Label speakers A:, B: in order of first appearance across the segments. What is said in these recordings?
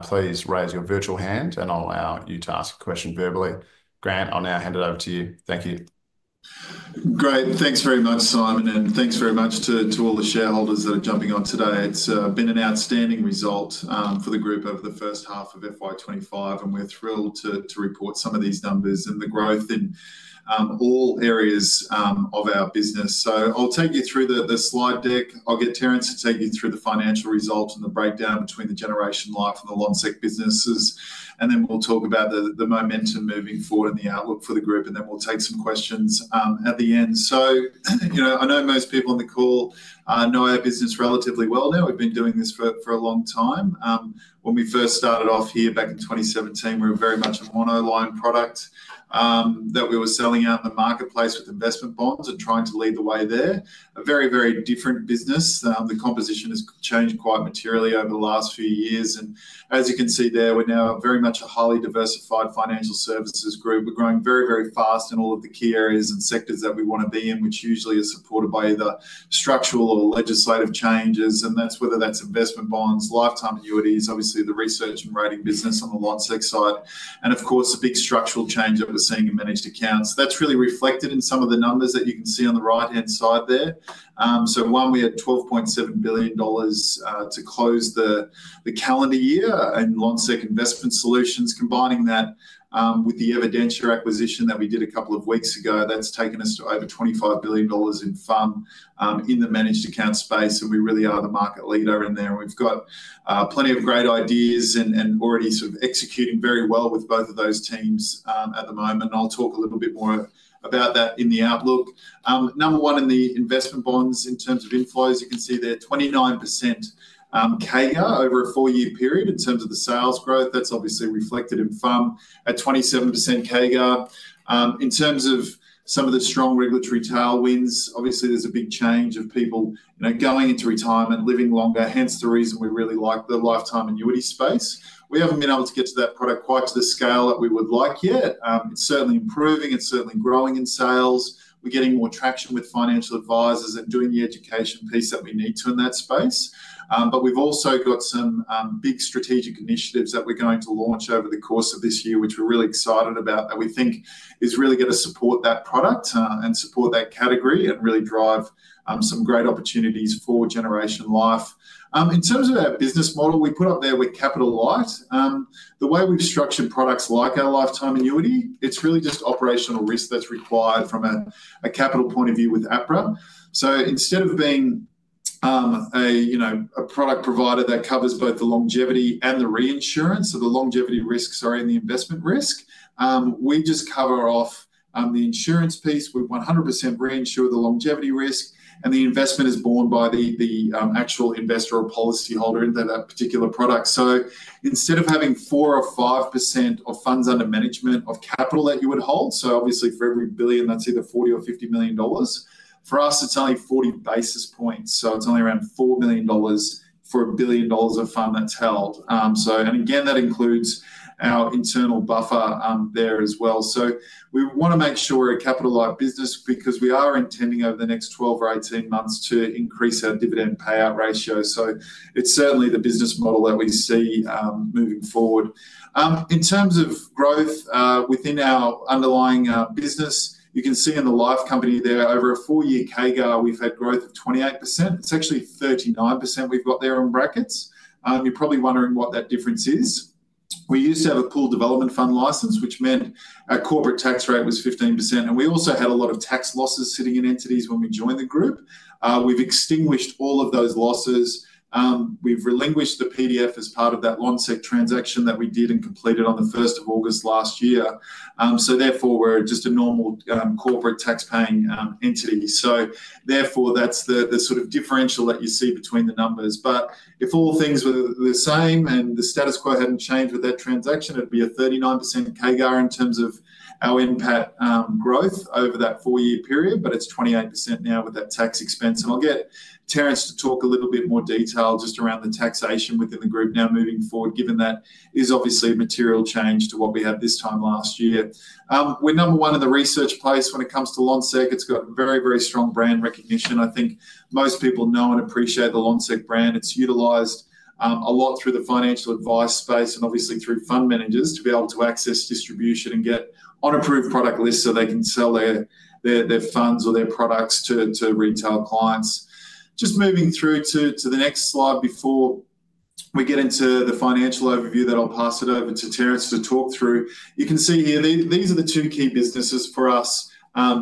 A: Please raise your virtual hand, and I'll allow you to ask a question verbally. Grant, I'll now hand it over to you. Thank you.
B: Great. Thanks very much, Simon, and thanks very much to all the shareholders that are jumping on today. It's been an outstanding result for the group over the first half of FY 2025, and we're thrilled to report some of these numbers and the growth in all areas of our business. I will take you through the slide deck. I will get Terence to take you through the financial result and the breakdown between the Generation Life and the Lonsec businesses. We will talk about the momentum moving forward and the outlook for the group. We will take some questions at the end. I know most people on the call know our business relatively well now. We've been doing this for a long time. When we first started off here back in 2017, we were very much a monoline product that we were selling out in the marketplace with investment bonds and trying to lead the way there. A very, very different business. The composition has changed quite materially over the last few years. As you can see there, we're now very much a highly diversified financial services group. We're growing very, very fast in all of the key areas and sectors that we want to be in, which usually are supported by either structural or legislative changes. Whether that's investment bonds, lifetime annuities, obviously the research and ratings business on the Lonsec side, and of course, the big structural change that we're seeing in managed accounts. That's really reflected in some of the numbers that you can see on the right-hand side there. One, we had 12.7 billion dollars to close the calendar year in Lonsec Investment Solutions. Combining that with the Evidentia acquisition that we did a couple of weeks ago, that's taken us to over 25 billion dollars in fund in the managed account space. We really are the market leader in there. We've got plenty of great ideas and already sort of executing very well with both of those teams at the moment. I'll talk a little bit more about that in the outlook. Number one in the investment bonds in terms of inflows, you can see there's 29% CAGR over a four-year period in terms of the sales growth. That's obviously reflected in fund at 27% CAGR. In terms of some of the strong regulatory tailwinds, obviously there's a big change of people going into retirement, living longer, hence the reason we really like the lifetime annuity space. We haven't been able to get to that product quite to the scale that we would like yet. It's certainly improving. It's certainly growing in sales. We're getting more traction with financial advisors and doing the education piece that we need to in that space. We have also got some big strategic initiatives that we're going to launch over the course of this year, which we're really excited about, that we think is really going to support that product and support that category and really drive some great opportunities for Generation Life. In terms of our business model, we put up there with Capital Light. The way we've structured products like our lifetime annuity, it's really just operational risk that's required from a capital point of view with APRA. Instead of being a product provider that covers both the longevity and the reinsurance, so the longevity risks are in the investment risk, we just cover off the insurance piece. We 100% reinsure the longevity risk, and the investment is borne by the actual investor or policyholder into that particular product. Instead of having 4% or 5% of funds under management of capital that you would hold, obviously for every billion, that's either 40 million or 50 million dollars. For us, it's only 40 basis points. It's only around 4 million dollars for a billion dollars of fund that's held. That includes our internal buffer there as well. We want to make sure we're a capital-light business because we are intending over the next 12 or 18 months to increase our dividend payout ratio. It's certainly the business model that we see moving forward. In terms of growth within our underlying business, you can see in the life company there, over a four-year CAGR, we've had growth of 28%. It's actually 39% we've got there in brackets. You're probably wondering what that difference is. We used to have a pooled development fund license, which meant our corporate tax rate was 15%. And we also had a lot of tax losses sitting in entities when we joined the group. We've extinguished all of those losses. We've relinquished the PDF as part of that Lonsec transaction that we did and completed on the 1st of August last year. Therefore, we're just a normal corporate tax-paying entity. Therefore, that's the sort of differential that you see between the numbers. If all things were the same and the status quo had not changed with that transaction, it would be a 39% CAGR in terms of our impact growth over that four-year period, but it is 28% now with that tax expense. I will get Terence to talk a little bit more in detail just around the taxation within the group now moving forward, given that is obviously a material change to what we had this time last year. We are number one in the research place when it comes to Lonsec. It has very, very strong brand recognition. I think most people know and appreciate the Lonsec brand. It is utilized a lot through the financial advice space and obviously through fund managers to be able to access distribution and get on approved product lists so they can sell their funds or their products to retail clients. Just moving through to the next slide before we get into the financial overview, then I'll pass it over to Terence to talk through. You can see here, these are the two key businesses for us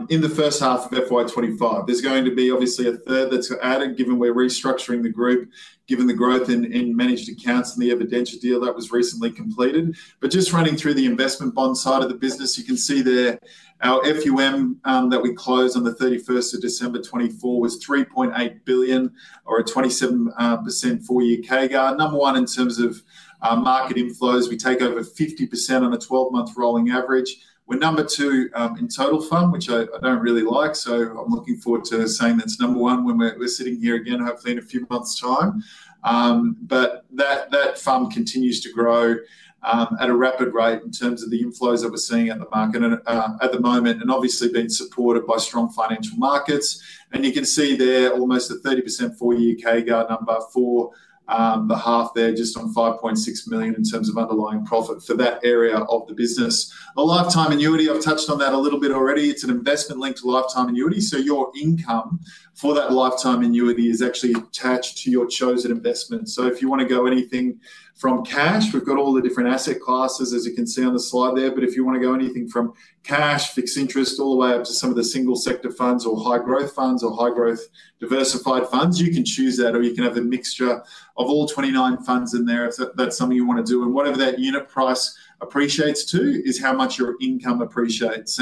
B: in the first half of FY 2025. There is going to be obviously a third that is added given we are restructuring the group, given the growth in managed accounts and the Evidentia deal that was recently completed. Just running through the investment bond side of the business, you can see there our FUM that we closed on the 31st of December 2024 was 3.8 billion or a 27% four-year CAGR. Number one in terms of market inflows, we take over 50% on a 12-month rolling average. We are number two in total fund, which I do not really like. I'm looking forward to saying that's number one when we're sitting here again, hopefully in a few months' time. That fund continues to grow at a rapid rate in terms of the inflows that we're seeing at the market at the moment and obviously being supported by strong financial markets. You can see there almost a 30% four-year CAGR number for the half there just on 5.6 million in terms of underlying profit for that area of the business. The lifetime annuity, I've touched on that a little bit already. It's an investment linked to lifetime annuity. Your income for that lifetime annuity is actually attached to your chosen investment. If you want to go anything from cash, we've got all the different asset classes, as you can see on the slide there. If you want to go anything from cash, fixed interest, all the way up to some of the single-sector funds or high-growth funds or high-growth diversified funds, you can choose that, or you can have a mixture of all 29 funds in there if that's something you want to do. Whatever that unit price appreciates to is how much your income appreciates.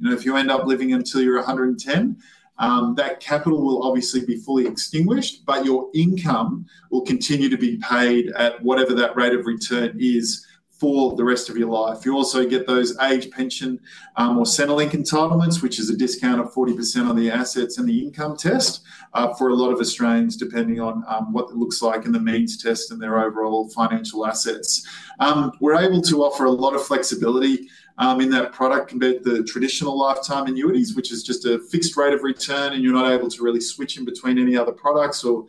B: If you end up living until you're 110, that capital will obviously be fully extinguished, but your income will continue to be paid at whatever that rate of return is for the rest of your life. You also get those age, pension, or Centrelink entitlements, which is a discount of 40% on the assets and the income test for a lot of Australians, depending on what it looks like in the means test and their overall financial assets. We're able to offer a lot of flexibility in that product, the traditional lifetime annuities, which is just a fixed rate of return, and you're not able to really switch in between any other products or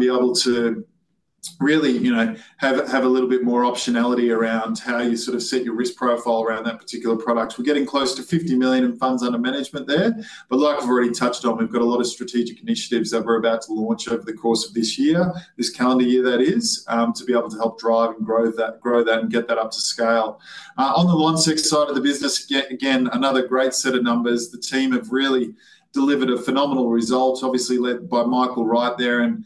B: be able to really have a little bit more optionality around how you sort of set your risk profile around that particular product. We're getting close to 50 million in funds under management there. Like we've already touched on, we've got a lot of strategic initiatives that we're about to launch over the course of this year, this calendar year, that is, to be able to help drive and grow that and get that up to scale. On the Lonsec side of the business, again, another great set of numbers. The team have really delivered a phenomenal result, obviously led by Michael Wright there and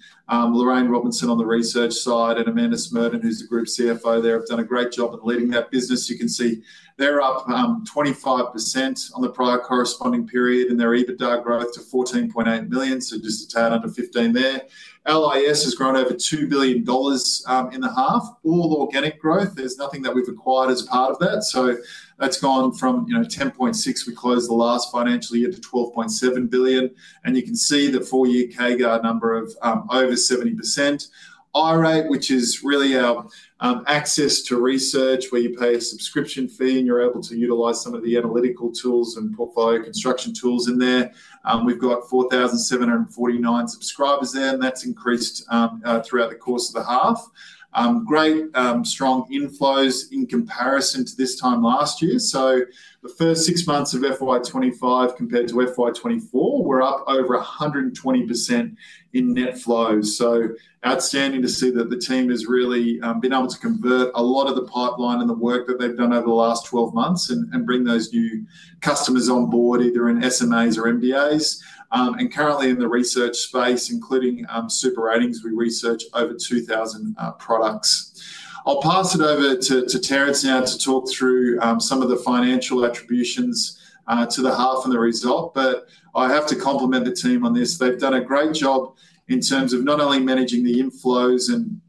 B: Lorraine Robinson on the research side, and Amanda Smerdon, who's the Group CFO there, have done a great job in leading that business. You can see they're up 25% on the prior corresponding period, and their EBITDA growth to 14.8 million. Just a tad under 15 million there. LIS has grown over AUD 2 billion in the half, all organic growth. There is nothing that we've acquired as part of that. That has gone from 10.6 billion we closed the last financial year to 12.7 billion. You can see the four-year CAGR number of over 70%. iRate, which is really our access to research where you pay a subscription fee and you're able to utilise some of the analytical tools and portfolio construction tools in there. We've got 4,749 subscribers there, and that's increased throughout the course of the half. Great, strong inflows in comparison to this time last year. The first six months of FY 2025 compared to FY 2024, we're up over 120% in net flows. Outstanding to see that the team has really been able to convert a lot of the pipeline and the work that they've done over the last 12 months and bring those new customers on board, either in SMAs or MDAs. Currently in the research space, including SuperRatings, we research over 2,000 products. I'll pass it over to Terence now to talk through some of the financial attributions to the half and the result. I have to compliment the team on this. They've done a great job in terms of not only managing the inflows and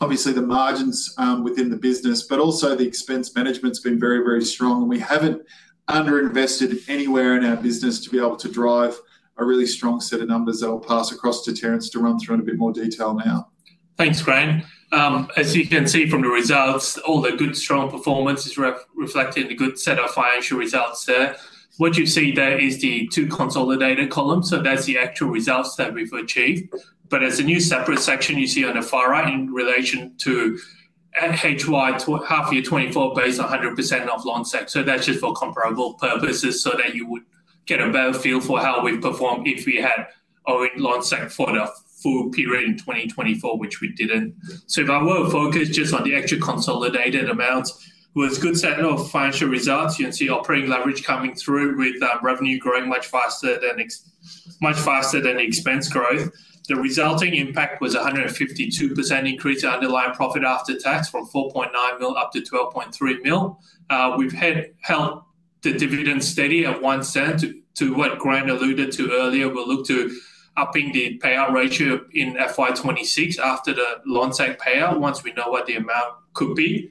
B: obviously the margins within the business, but also the expense management's been very, very strong. We haven't underinvested anywhere in our business to be able to drive a really strong set of numbers that I'll pass across to Terence to run through in a bit more detail now.
C: Thanks, Graham. As you can see from the results, all the good, strong performance is reflecting the good set of financial results there. What you see there is the two consolidated columns. That is the actual results that we have achieved. There is a new separate section you see on the far right in relation to half year 2024 based on 100% of Lonsec. That is just for comparable purposes so that you would get a better feel for how we have performed if we had owned Lonsec for the full period in 2024, which we did not. If I were to focus just on the extra consolidated amounts, with good set of financial results, you can see operating leverage coming through with revenue growing much faster than expense growth. The resulting impact was a 152% increase in underlying profit after tax from 4.9 million up to 12.3 million. We've held the dividend steady at 0.01 to what Grant alluded to earlier. We'll look to upping the payout ratio in FY 2026 after the Lonsec payout once we know what the amount could be.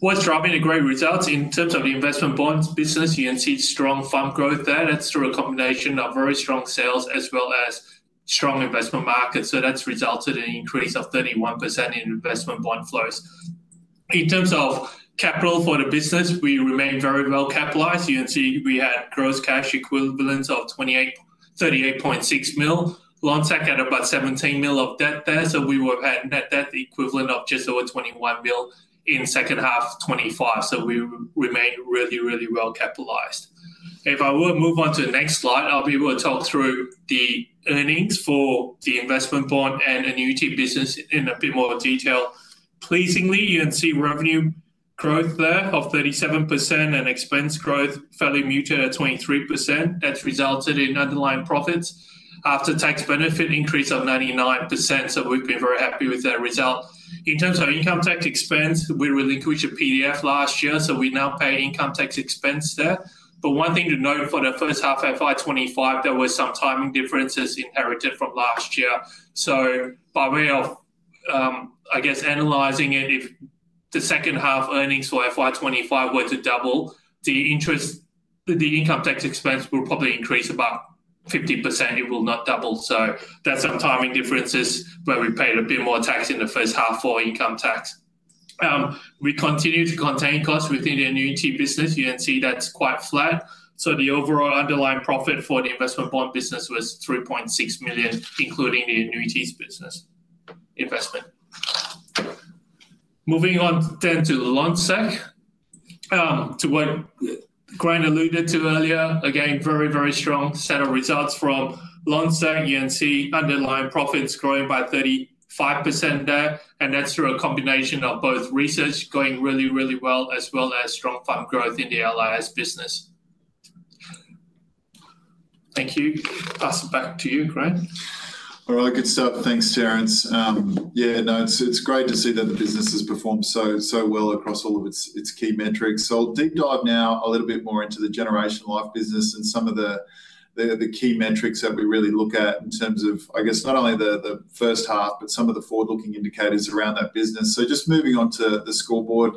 C: What's driving the great results in terms of the investment bonds business, you can see strong fund growth there. That's through a combination of very strong sales as well as strong investment markets. That's resulted in an increase of 31% in investment bond flows. In terms of capital for the business, we remain very well capitalized. You can see we had gross cash equivalents of 38.6 million, Lonsec had about 17 million of debt there. We would have had net debt equivalent of just over 21 million in second half 2025. We remain really, really well capitalized. If I were to move on to the next slide, I'll be able to talk through the earnings for the investment bond and annuity business in a bit more detail. Pleasingly, you can see revenue growth there of 37% and expense growth fairly muted at 23%. That's resulted in underlying profits after tax benefit increase of 99%. We have been very happy with that result. In terms of income tax expense, we relinquished a PDF last year. We now pay income tax expense there. One thing to note for the first half of FY 2025, there were some timing differences inherited from last year. By way of, I guess, analyzing it, if the second half earnings for FY 2025 were to double, the income tax expense will probably increase about 50%. It will not double. That's some timing differences where we paid a bit more tax in the first half for income tax. We continue to contain costs within the annuity business. You can see that's quite flat. The overall underlying profit for the investment bond business was 3.6 million, including the annuities business investment. Moving on then to Lonsec, to what Grant alluded to earlier, again, very, very strong set of results from Lonsec. You can see underlying profits growing by 35% there. That's through a combination of both research going really, really well as well as strong fund growth in the LIS business. Thank you. Pass it back to you, Grant.
B: All right. Good stuff. Thanks, Terence. Yeah, no, it's great to see that the business has performed so well across all of its key metrics. I will deep dive now a little bit more into the Generation Life business and some of the key metrics that we really look at in terms of, I guess, not only the first half, but some of the forward-looking indicators around that business. Just moving on to the scoreboard,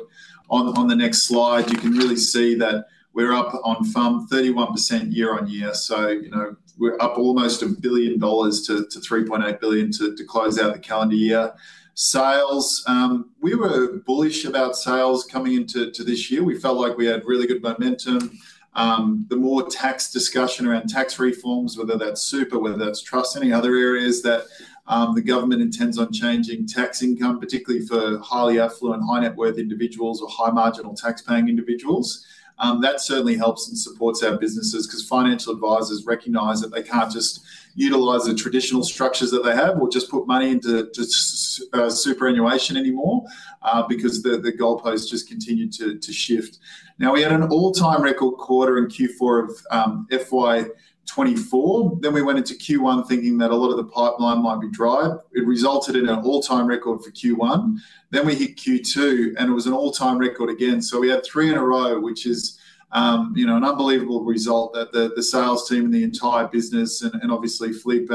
B: on the next slide, you can really see that we're up on fund 31% YoY. We are up almost a billion dollars to 3.8 billion to close out the calendar year. Sales, we were bullish about sales coming into this year. We felt like we had really good momentum. The more tax discussion around tax reforms, whether that's super, whether that's trust, any other areas that the government intends on changing tax income, particularly for highly affluent, high-net-worth individuals or high-marginal tax-paying individuals, that certainly helps and supports our businesses because financial advisors recognize that they can't just utilize the traditional structures that they have or just put money into superannuation anymore because the goalposts just continue to shift. We had an all-time record quarter in Q4 of FY 2024. We went into Q1 thinking that a lot of the pipeline might be dried. It resulted in an all-time record for Q1. We hit Q2, and it was an all-time record again. We had three in a row, which is an unbelievable result that the sales team and the entire business, and obviously Felipe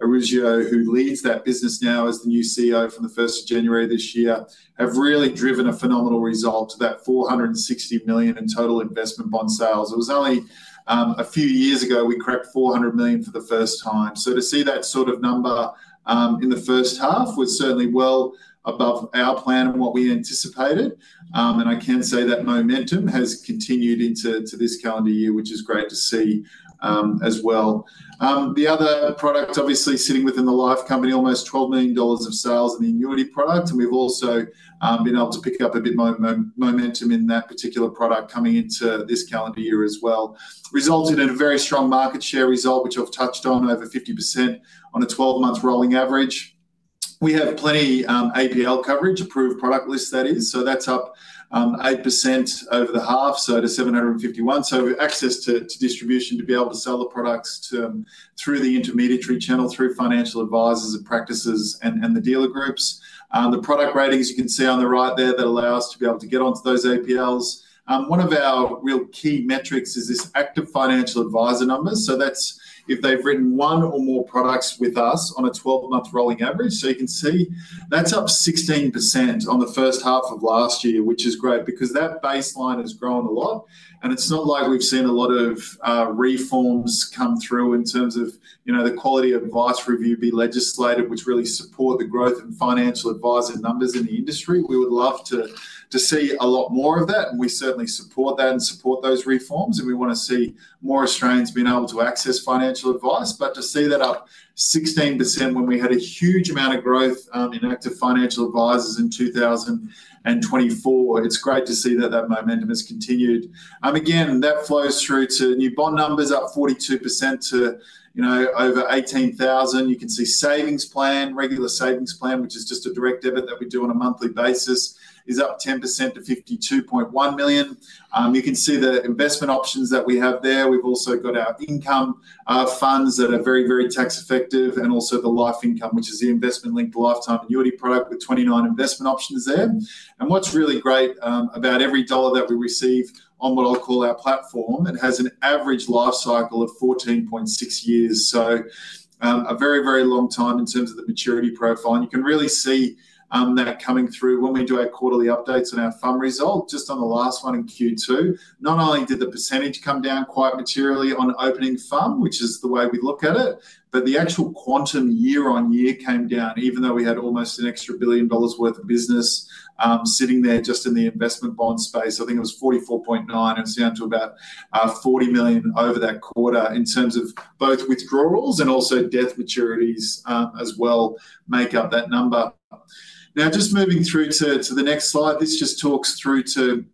B: Araujo, who leads that business now as the new CEO from the 1st of January this year, have really driven a phenomenal result, that 460 million in total investment bond sales. It was only a few years ago we cracked 400 million for the first time. To see that sort of number in the first half was certainly well above our plan and what we anticipated. I can say that momentum has continued into this calendar year, which is great to see as well. The other product, obviously sitting within the life company, almost 12 million dollars of sales in the annuity product. We have also been able to pick up a bit more momentum in that particular product coming into this calendar year as well. Resulted in a very strong market share result, which I've touched on, over 50% on a 12-month rolling average. We have plenty of APL coverage, approved product list, that is. That is up 8% over the half, to 751 million. Access to distribution to be able to sell the products through the intermediary channel, through financial advisors and practices and the dealer groups. The product ratings, you can see on the right there, that allow us to be able to get onto those APLs. One of our real key metrics is this active financial advisor numbers. That is if they've written one or more products with us on a 12-month rolling average. You can see that is up 16% on the first half of last year, which is great because that baseline has grown a lot. It is not like we have seen a lot of reforms come through in terms of the quality of advice review be legislated, which really support the growth in financial advisor numbers in the industry. We would love to see a lot more of that. We certainly support that and support those reforms. We want to see more Australians being able to access financial advice. To see that up 16% when we had a huge amount of growth in active financial advisors in 2024, it is great to see that that momentum has continued. Again, that flows through to new bond numbers, up 42% to over 18,000. You can see savings plan, regular savings plan, which is just a direct debit that we do on a monthly basis, is up 10% to 52.1 million. You can see the investment options that we have there. We've also got our income funds that are very, very tax effective and also the life income, which is the investment-linked lifetime annuity product with 29 investment options there. What's really great about every dollar that we receive on what I'll call our platform, it has an average life cycle of 14.6 years. A very, very long time in terms of the maturity profile. You can really see that coming through when we do our quarterly updates on our fund result. Just on the last one in Q2, not only did the percentage come down quite materially on opening fund, which is the way we look at it, but the actual quantum year on year came down, even though we had almost an extra billion dollars worth of business sitting there just in the investment bond space. I think it was 44.9 million and it's down to about 40 million over that quarter in terms of both withdrawals and also death maturities as well make up that number. Now, just moving through to the next slide, this just talks through to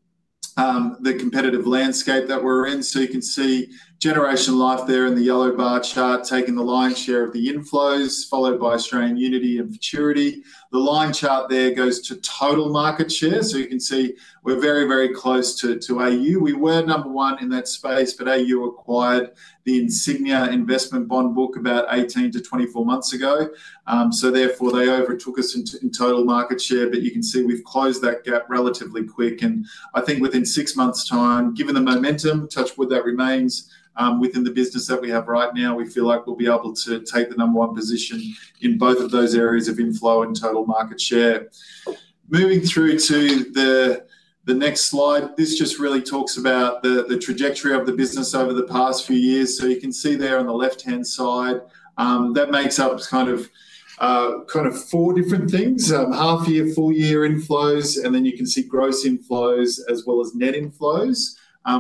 B: the competitive landscape that we're in. You can see Generation Life there in the yellow bar chart taking the lion's share of the inflows, followed by Australian Unity and maturity. The line chart there goes to total market share. You can see we're very, very close to AU. We were number one in that space, but AU acquired the Insignia investment bond book about 18 to 24 months ago. Therefore, they overtook us in total market share. You can see we've closed that gap relatively quick. I think within six months' time, given the momentum, touch wood that remains within the business that we have right now, we feel like we'll be able to take the number one position in both of those areas of inflow and total market share. Moving through to the next slide, this just really talks about the trajectory of the business over the past few years. You can see there on the left-hand side, that makes up kind of four different things: half-year, full-year inflows, and then you can see gross inflows as well as net inflows.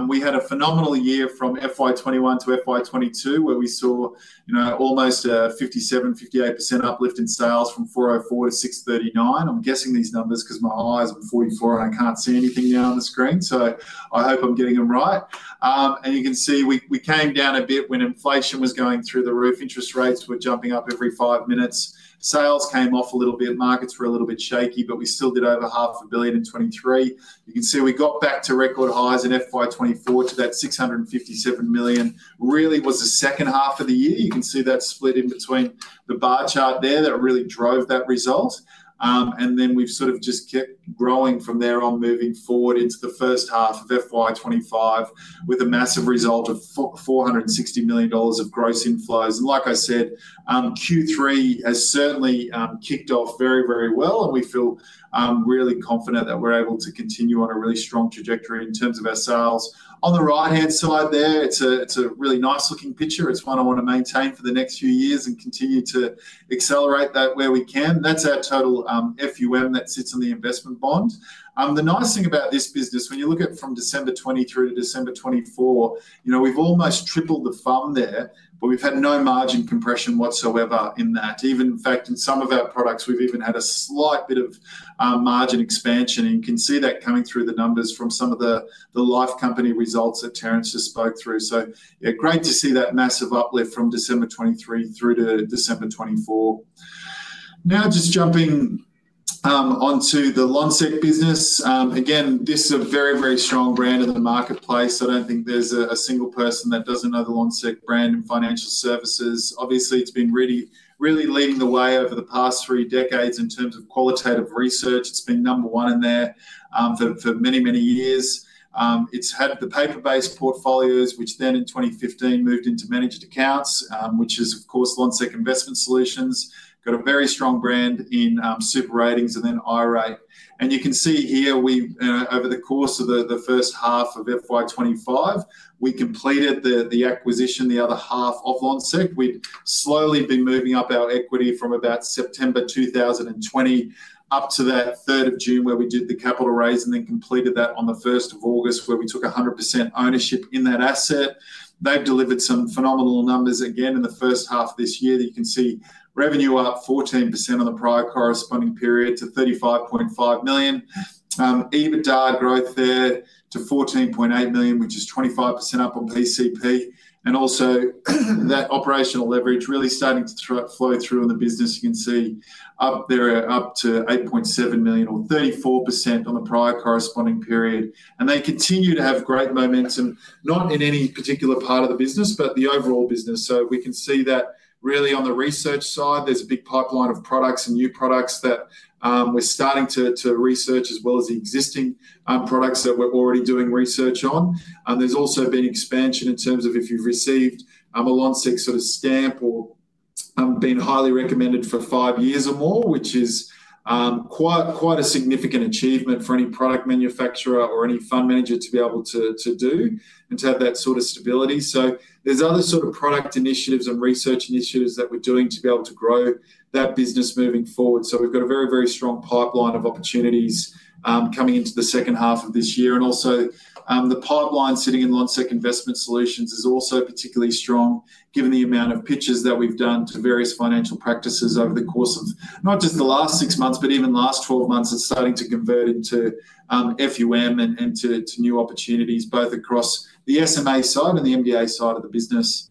B: We had a phenomenal year from FY 2021 to FY 2022, where we saw almost a 57%-58% uplift in sales from 404 million to 639 million. I'm guessing these numbers because my eyes are 44 and I can't see anything now on the screen. I hope I'm getting them right. You can see we came down a bit when inflation was going through the roof. Interest rates were jumping up every five minutes. Sales came off a little bit. Markets were a little bit shaky, but we still did over 500,000,000 in 2023. You can see we got back to record highs in FY 2024 to that 657 million. It really was the second half of the year. You can see that split in between the bar chart there that really drove that result. We have sort of just kept growing from there on moving forward into the first half of FY 2025 with a massive result of 460 million dollars of gross inflows. Like I said, Q3 has certainly kicked off very, very well. We feel really confident that we are able to continue on a really strong trajectory in terms of our sales. On the right-hand side there, it's a really nice-looking picture. It's one I want to maintain for the next few years and continue to accelerate that where we can. That's our total FUM that sits on the investment bond. The nice thing about this business, when you look at from December 2023 to December 2024, we've almost tripled the fund there, but we've had no margin compression whatsoever in that. In fact, in some of our products, we've even had a slight bit of margin expansion. You can see that coming through the numbers from some of the life company results that Terence just spoke through. Great to see that massive uplift from December 2023 through to December 2024. Now, just jumping onto the Lonsec business. Again, this is a very, very strong brand in the marketplace. I don't think there's a single person that doesn't know the Lonsec brand in financial services. Obviously, it's been really leading the way over the past three decades in terms of qualitative research. It's been number one in there for many, many years. It's had the paper-based portfolios, which then in 2015 moved into managed accounts, which is, of course, Lonsec Investment Solutions. Got a very strong brand in SuperRatings and then iRate. You can see here, over the course of the first half of FY 2025, we completed the acquisition, the other half of Lonsec. We'd slowly been moving up our equity from about September 2020 up to that 3rd of June where we did the capital raise and then completed that on the 1st of August where we took 100% ownership in that asset. They've delivered some phenomenal numbers again in the first half of this year. You can see revenue up 14% on the prior corresponding period to 35.5 million. EBITDA growth there to 14.8 million, which is 25% up on PCP. That operational leverage really starting to flow through in the business. You can see up there up to 8.7 million or 34% on the prior corresponding period. They continue to have great momentum, not in any particular part of the business, but the overall business. You can see that really on the research side, there's a big pipeline of products and new products that we're starting to research as well as the existing products that we're already doing research on. has also been expansion in terms of if you have received a Lonsec sort of stamp or been highly recommended for five years or more, which is quite a significant achievement for any product manufacturer or any fund manager to be able to do and to have that sort of stability. There are other sort of product initiatives and research initiatives that we are doing to be able to grow that business moving forward. We have a very, very strong pipeline of opportunities coming into the second half of this year. The pipeline sitting in Lonsec Investment Solutions is also particularly strong given the amount of pitches that we've done to various financial practices over the course of not just the last six months, but even the last 12 months and starting to convert into FUM and to new opportunities both across the SMA side and the MDA side of the business.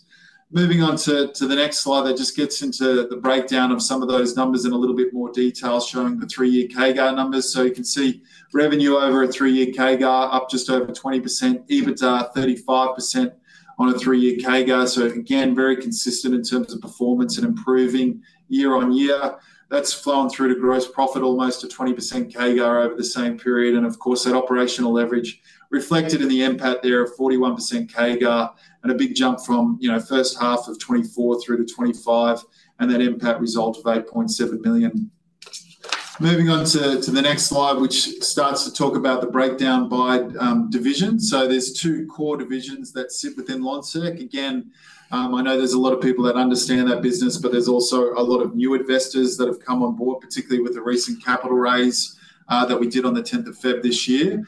B: Moving on to the next slide that just gets into the breakdown of some of those numbers in a little bit more detail showing the three-year CAGR numbers. You can see revenue over a three-year CAGR up just over 20%, EBITDA 35% on a three-year CAGR. Very consistent in terms of performance and improving YoY. That's flowing through to gross profit, almost a 20% CAGR over the same period. Of course, that operational leverage reflected in the impact there of 41% CAGR and a big jump from first half of 2024 through to 2025 and that impact result of 8.7 million. Moving on to the next slide, which starts to talk about the breakdown by division. There are two core divisions that sit within Lonsec. Again, I know there are a lot of people that understand that business, but there are also a lot of new investors that have come on board, particularly with the recent capital raise that we did on the 10th of February this year.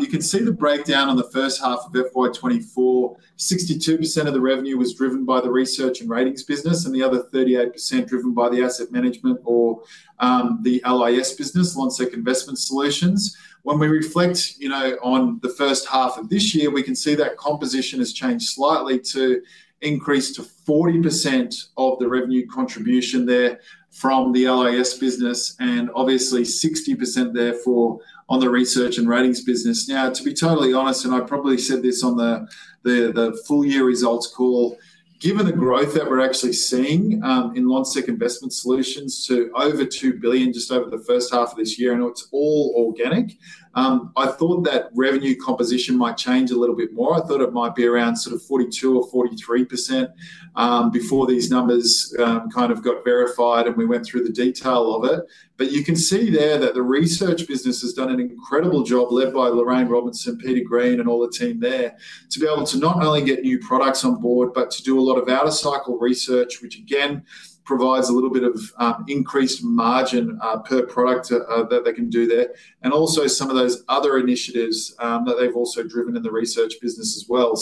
B: You can see the breakdown on the first half of FY 2024. 62% of the revenue was driven by the research and ratings business and the other 38% driven by the asset management or the LIS business, Lonsec Investment Solutions. When we reflect on the first half of this year, we can see that composition has changed slightly to increase to 40% of the revenue contribution there from the LIS business and obviously 60% therefore on the research and ratings business. Now, to be totally honest, and I probably said this on the full-year results call, given the growth that we're actually seeing in Lonsec Investment Solutions to over 2 billion just over the first half of this year, I know it's all organic. I thought that revenue composition might change a little bit more. I thought it might be around sort of 42% or 43% before these numbers kind of got verified and we went through the detail of it. You can see there that the research business has done an incredible job led by Lorraine Robinson, Peter Green, and all the team there to be able to not only get new products on board, but to do a lot of out-of-cycle research, which again provides a little bit of increased margin per product that they can do there. Also, some of those other initiatives that they've also driven in the research business as well.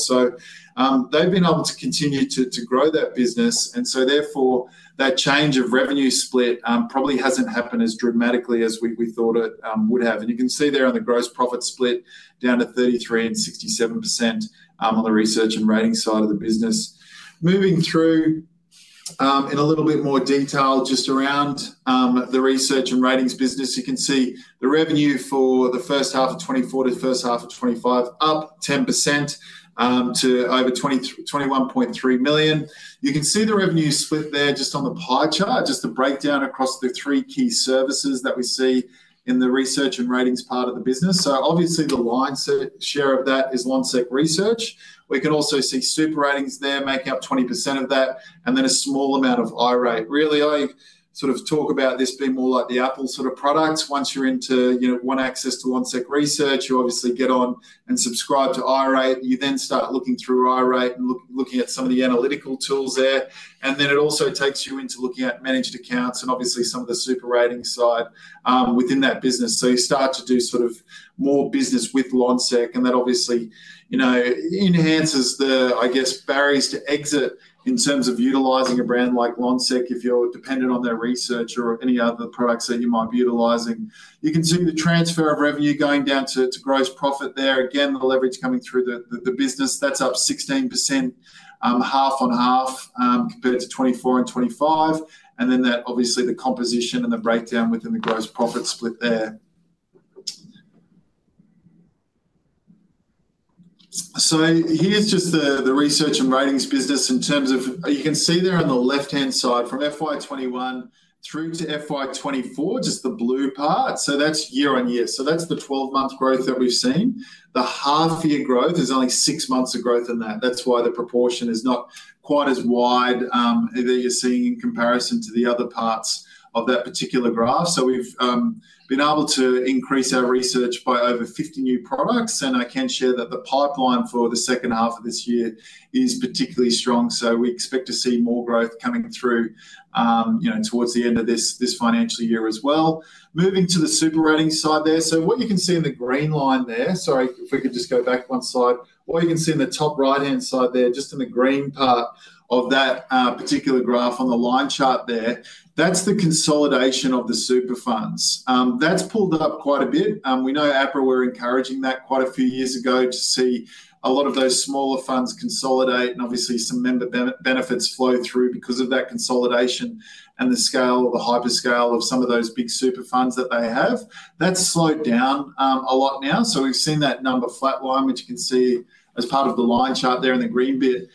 B: They've been able to continue to grow that business. Therefore, that change of revenue split probably hasn't happened as dramatically as we thought it would have. You can see there on the gross profit split down to 33% and 67% on the research and ratings side of the business. Moving through in a little bit more detail just around the research and ratings business, you can see the revenue for the first half of 2024 to the first half of 2025 up 10% to over 21.3 million. You can see the revenue split there just on the pie chart, just the breakdown across the three key services that we see in the research and ratings part of the business. Obviously, the lion's share of that is Lonsec Research. We can also see SuperRatings there making up 20% of that and then a small amount of iRate. Really, I sort of talk about this being more like the Apple sort of products. Once you're into one access to Lonsec Research, you obviously get on and subscribe to iRate. You then start looking through iRate and looking at some of the analytical tools there. It also takes you into looking at managed accounts and obviously some of the SuperRatings side within that business. You start to do sort of more business with Lonsec. That obviously enhances the, I guess, barriers to exit in terms of utilizing a brand like Lonsec if you're dependent on their research or any other products that you might be utilizing. You can see the transfer of revenue going down to gross profit there. Again, the leverage coming through the business. That's up 16% half on half compared to 2024 and 2025. That is obviously the composition and the breakdown within the gross profit split there. Here's just the research and ratings business in terms of you can see there on the left-hand side from FY 2021 through to FY 2024, just the blue part. That's YoY. That's the 12-month growth that we've seen. The half-year growth is only six months of growth in that. That's why the proportion is not quite as wide that you're seeing in comparison to the other parts of that particular graph. We've been able to increase our research by over 50 new products. I can share that the pipeline for the second half of this year is particularly strong. We expect to see more growth coming through towards the end of this financial year as well. Moving to the SuperRatings side there. What you can see in the green line there, sorry, if we could just go back one slide. What you can see in the top right-hand side there, just in the green part of that particular graph on the line chart there, that's the consolidation of the super funds. That's pulled up quite a bit. We know APRA were encouraging that quite a few years ago to see a lot of those smaller funds consolidate and obviously some member benefits flow through because of that consolidation and the scale of the hyperscale of some of those big super funds that they have. That's slowed down a lot now. We have seen that number flatline, which you can see as part of the line chart there in the green bit.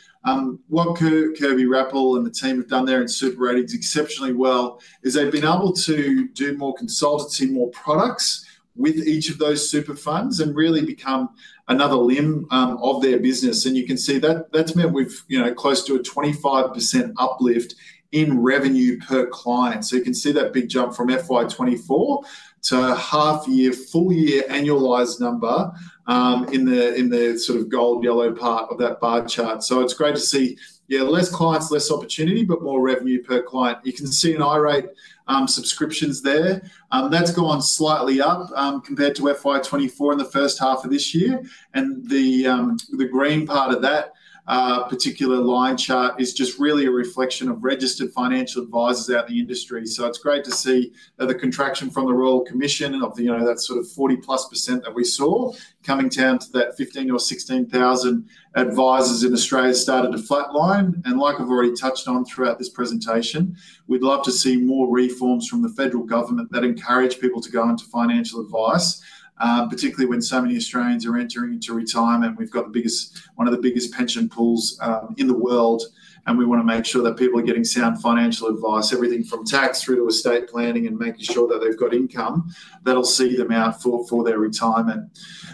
B: What Kirby Rappell, and the team have done there in SuperRatings exceptionally well is they've been able to do more consultancy and more products with each of those super funds and really become another limb of their business. You can see that that's meant with close to a 25% uplift in revenue per client. You can see that big jump from FY 2024 to half-year, full-year, annualized number in the sort of gold yellow part of that bar chart. It's great to see, yeah, less clients, less opportunity, but more revenue per client. You can see an iRate subscriptions there. That's gone slightly up compared to FY 2024 in the first half of this year. The green part of that particular line chart is just really a reflection of registered financial advisors out in the industry. It's great to see that the contraction from the Royal Commission of that sort of 40%+ that we saw coming down to that 15,000 or 16,000 advisors in Australia started to flatline. Like I've already touched on throughout this presentation, we'd love to see more reforms from the federal government that encourage people to go into financial advice, particularly when so many Australians are entering into retirement. We've got one of the biggest pension pools in the world, and we want to make sure that people are getting sound financial advice, everything from tax through to estate planning and making sure that they've got income that'll see them out for their retirement.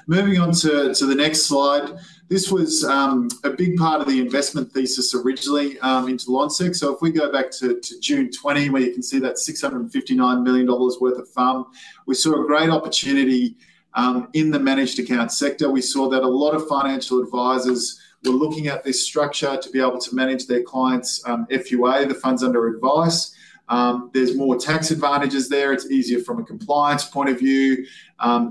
B: Moving on to the next slide. This was a big part of the investment thesis originally into Lonsec. If we go back to June 2020, where you can see that 659 million dollars worth of fund, we saw a great opportunity in the managed account sector. We saw that a lot of financial advisors were looking at this structure to be able to manage their clients' FUA, the Funds Under Advice. There are more tax advantages there. It is easier from a compliance point of view.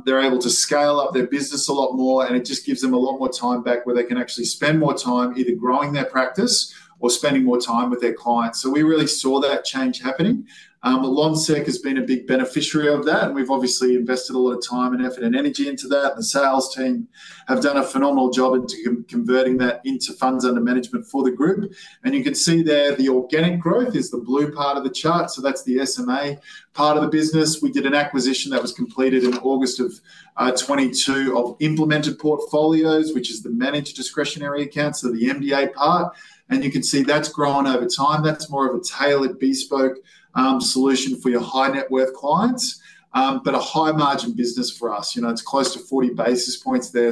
B: They are able to scale up their business a lot more, and it just gives them a lot more time back where they can actually spend more time either growing their practice or spending more time with their clients. We really saw that change happening. Lonsec has been a big beneficiary of that, and we have obviously invested a lot of time and effort and energy into that. The sales team have done a phenomenal job in converting that into funds under management for the group. You can see there the organic growth is the blue part of the chart. That is the SMA part of the business. We did an acquisition that was completed in August of 2022 of implemented portfolios, which is the managed discretionary accounts, so the MDA part. You can see that has grown over time. That is more of a tailored bespoke solution for your high-net-worth clients, but a high-margin business for us. It is close to 40 basis points there.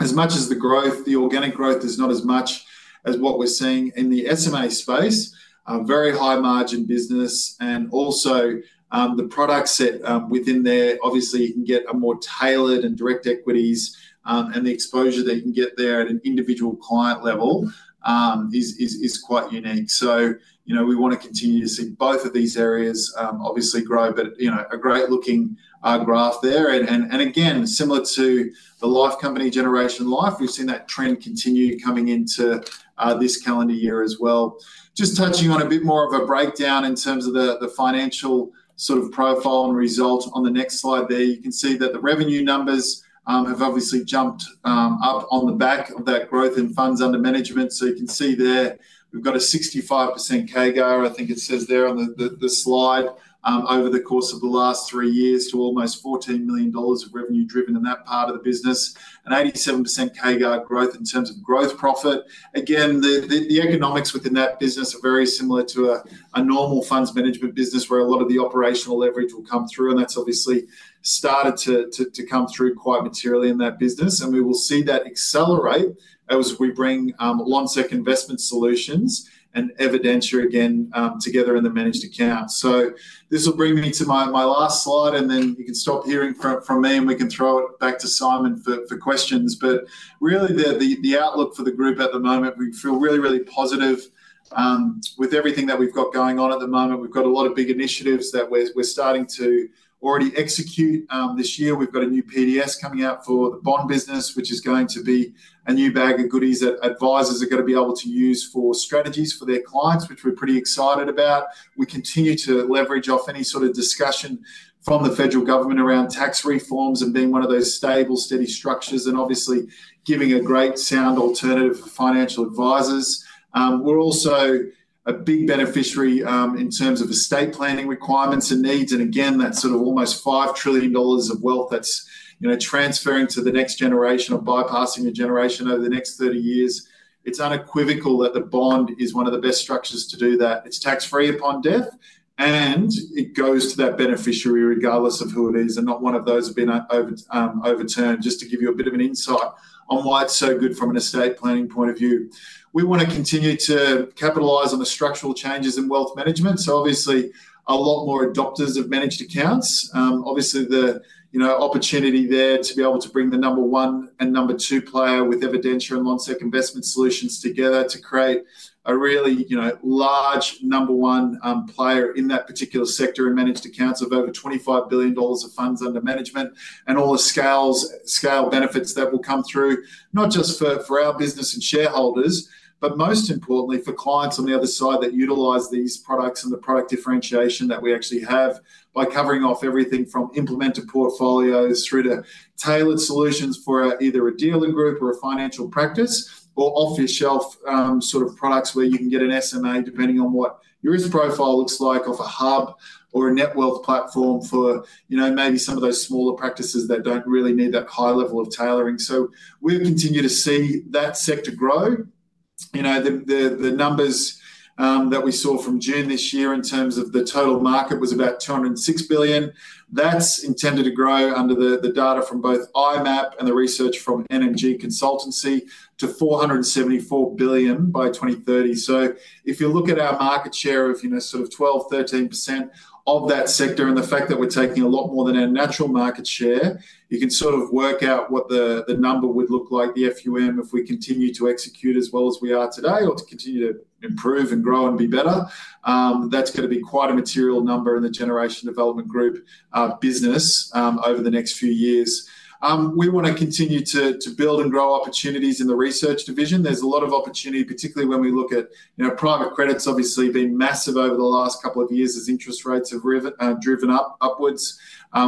B: As much as the growth, the organic growth is not as much as what we are seeing in the SMA space, a very high-margin business. Also, the product set within there, obviously you can get a more tailored and direct equities, and the exposure that you can get there at an individual client level is quite unique. We want to continue to see both of these areas obviously grow, but a great-looking graph there. Again, similar to the life company Generation Life, we've seen that trend continue coming into this calendar year as well. Just touching on a bit more of a breakdown in terms of the financial sort of profile and result on the next slide there, you can see that the revenue numbers have obviously jumped up on the back of that growth in funds under management. You can see there we've got a 65% CAGR, I think it says there on the slide, over the course of the last three years to almost 14 million dollars of revenue driven in that part of the business, an 87% CAGR growth in terms of gross profit. Again, the economics within that business are very similar to a normal funds management business where a lot of the operational leverage will come through, and that has obviously started to come through quite materially in that business. We will see that accelerate as we bring Lonsec Investment Solutions and Evidentia again together in the managed account. This will bring me to my last slide, and then you can stop hearing from me and we can throw it back to Simon for questions. Really, the outlook for the group at the moment, we feel really, really positive with everything that we have got going on at the moment. We have got a lot of big initiatives that we are starting to already execute this year. We've got a new PDS coming out for the bond business, which is going to be a new bag of goodies that advisors are going to be able to use for strategies for their clients, which we're pretty excited about. We continue to leverage off any sort of discussion from the federal government around tax reforms and being one of those stable, steady structures and obviously giving a great sound alternative for financial advisors. We are also a big beneficiary in terms of estate planning requirements and needs. Again, that sort of almost 5 trillion dollars of wealth that's transferring to the next generation or bypassing a generation over the next 30 years. It's unequivocal that the bond is one of the best structures to do that. It's tax-free upon death, and it goes to that beneficiary regardless of who it is and not one of those have been overturned. Just to give you a bit of an insight on why it's so good from an estate planning point of view, we want to continue to capitalize on the structural changes in wealth management. Obviously, a lot more adopters of managed accounts. Obviously, the opportunity there to be able to bring the number one and number two player with Evidentia and Lonsec Investment Solutions together to create a really large number one player in that particular sector and managed accounts of over 25 billion dollars of funds under management and all the scale benefits that will come through, not just for our business and shareholders, but most importantly, for clients on the other side that utilize these products and the product differentiation that we actually have by covering off everything from implemented portfolios through to tailored solutions for either a dealer group or a financial practice or off-the-shelf sort of products where you can get an SMA depending on what your risk profile looks like off a hub or a net wealth platform for maybe some of those smaller practices that don't really need that high level of tailoring. We'll continue to see that sector grow. The numbers that we saw from June this year in terms of the total market was about 206 billion. That's intended to grow under the data from both IMAP and the research from NMG Consultancy to 474 billion by 2030. If you look at our market share of sort of 12%-13% of that sector and the fact that we're taking a lot more than our natural market share, you can sort of work out what the number would look like, the FUM, if we continue to execute as well as we are today or continue to improve and grow and be better. That's going to be quite a material number in the Generation Development Group business over the next few years. We want to continue to build and grow opportunities in the research division. There's a lot of opportunity, particularly when we look at private credits obviously being massive over the last couple of years as interest rates have driven upwards.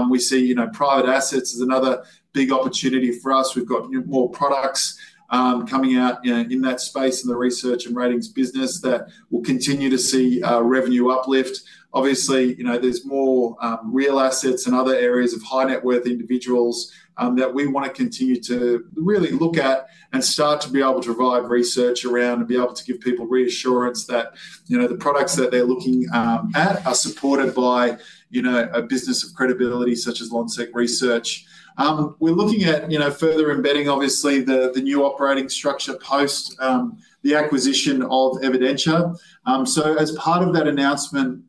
B: We see private assets as another big opportunity for us. We've got more products coming out in that space in the research and ratings business that will continue to see revenue uplift. Obviously, there's more real assets and other areas of high-net-worth individuals that we want to continue to really look at and start to be able to provide research around and be able to give people reassurance that the products that they're looking at are supported by a business of credibility such as Lonsec Research. We're looking at further embedding, obviously, the new operating structure post the acquisition of Evidentia. As part of that announcement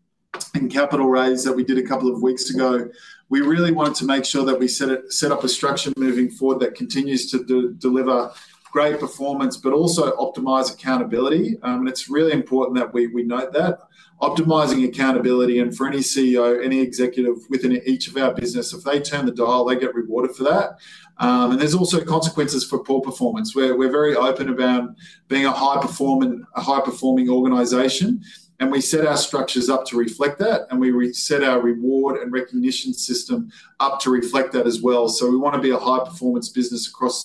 B: and capital raise that we did a couple of weeks ago, we really wanted to make sure that we set up a structure moving forward that continues to deliver great performance, but also optimize accountability. It is really important that we note that optimizing accountability and for any CEO, any executive within each of our business, if they turn the dial, they get rewarded for that. There are also consequences for poor performance. We are very open about being a high-performing organization, and we set our structures up to reflect that, and we set our reward and recognition system up to reflect that as well. We want to be a high-performance business across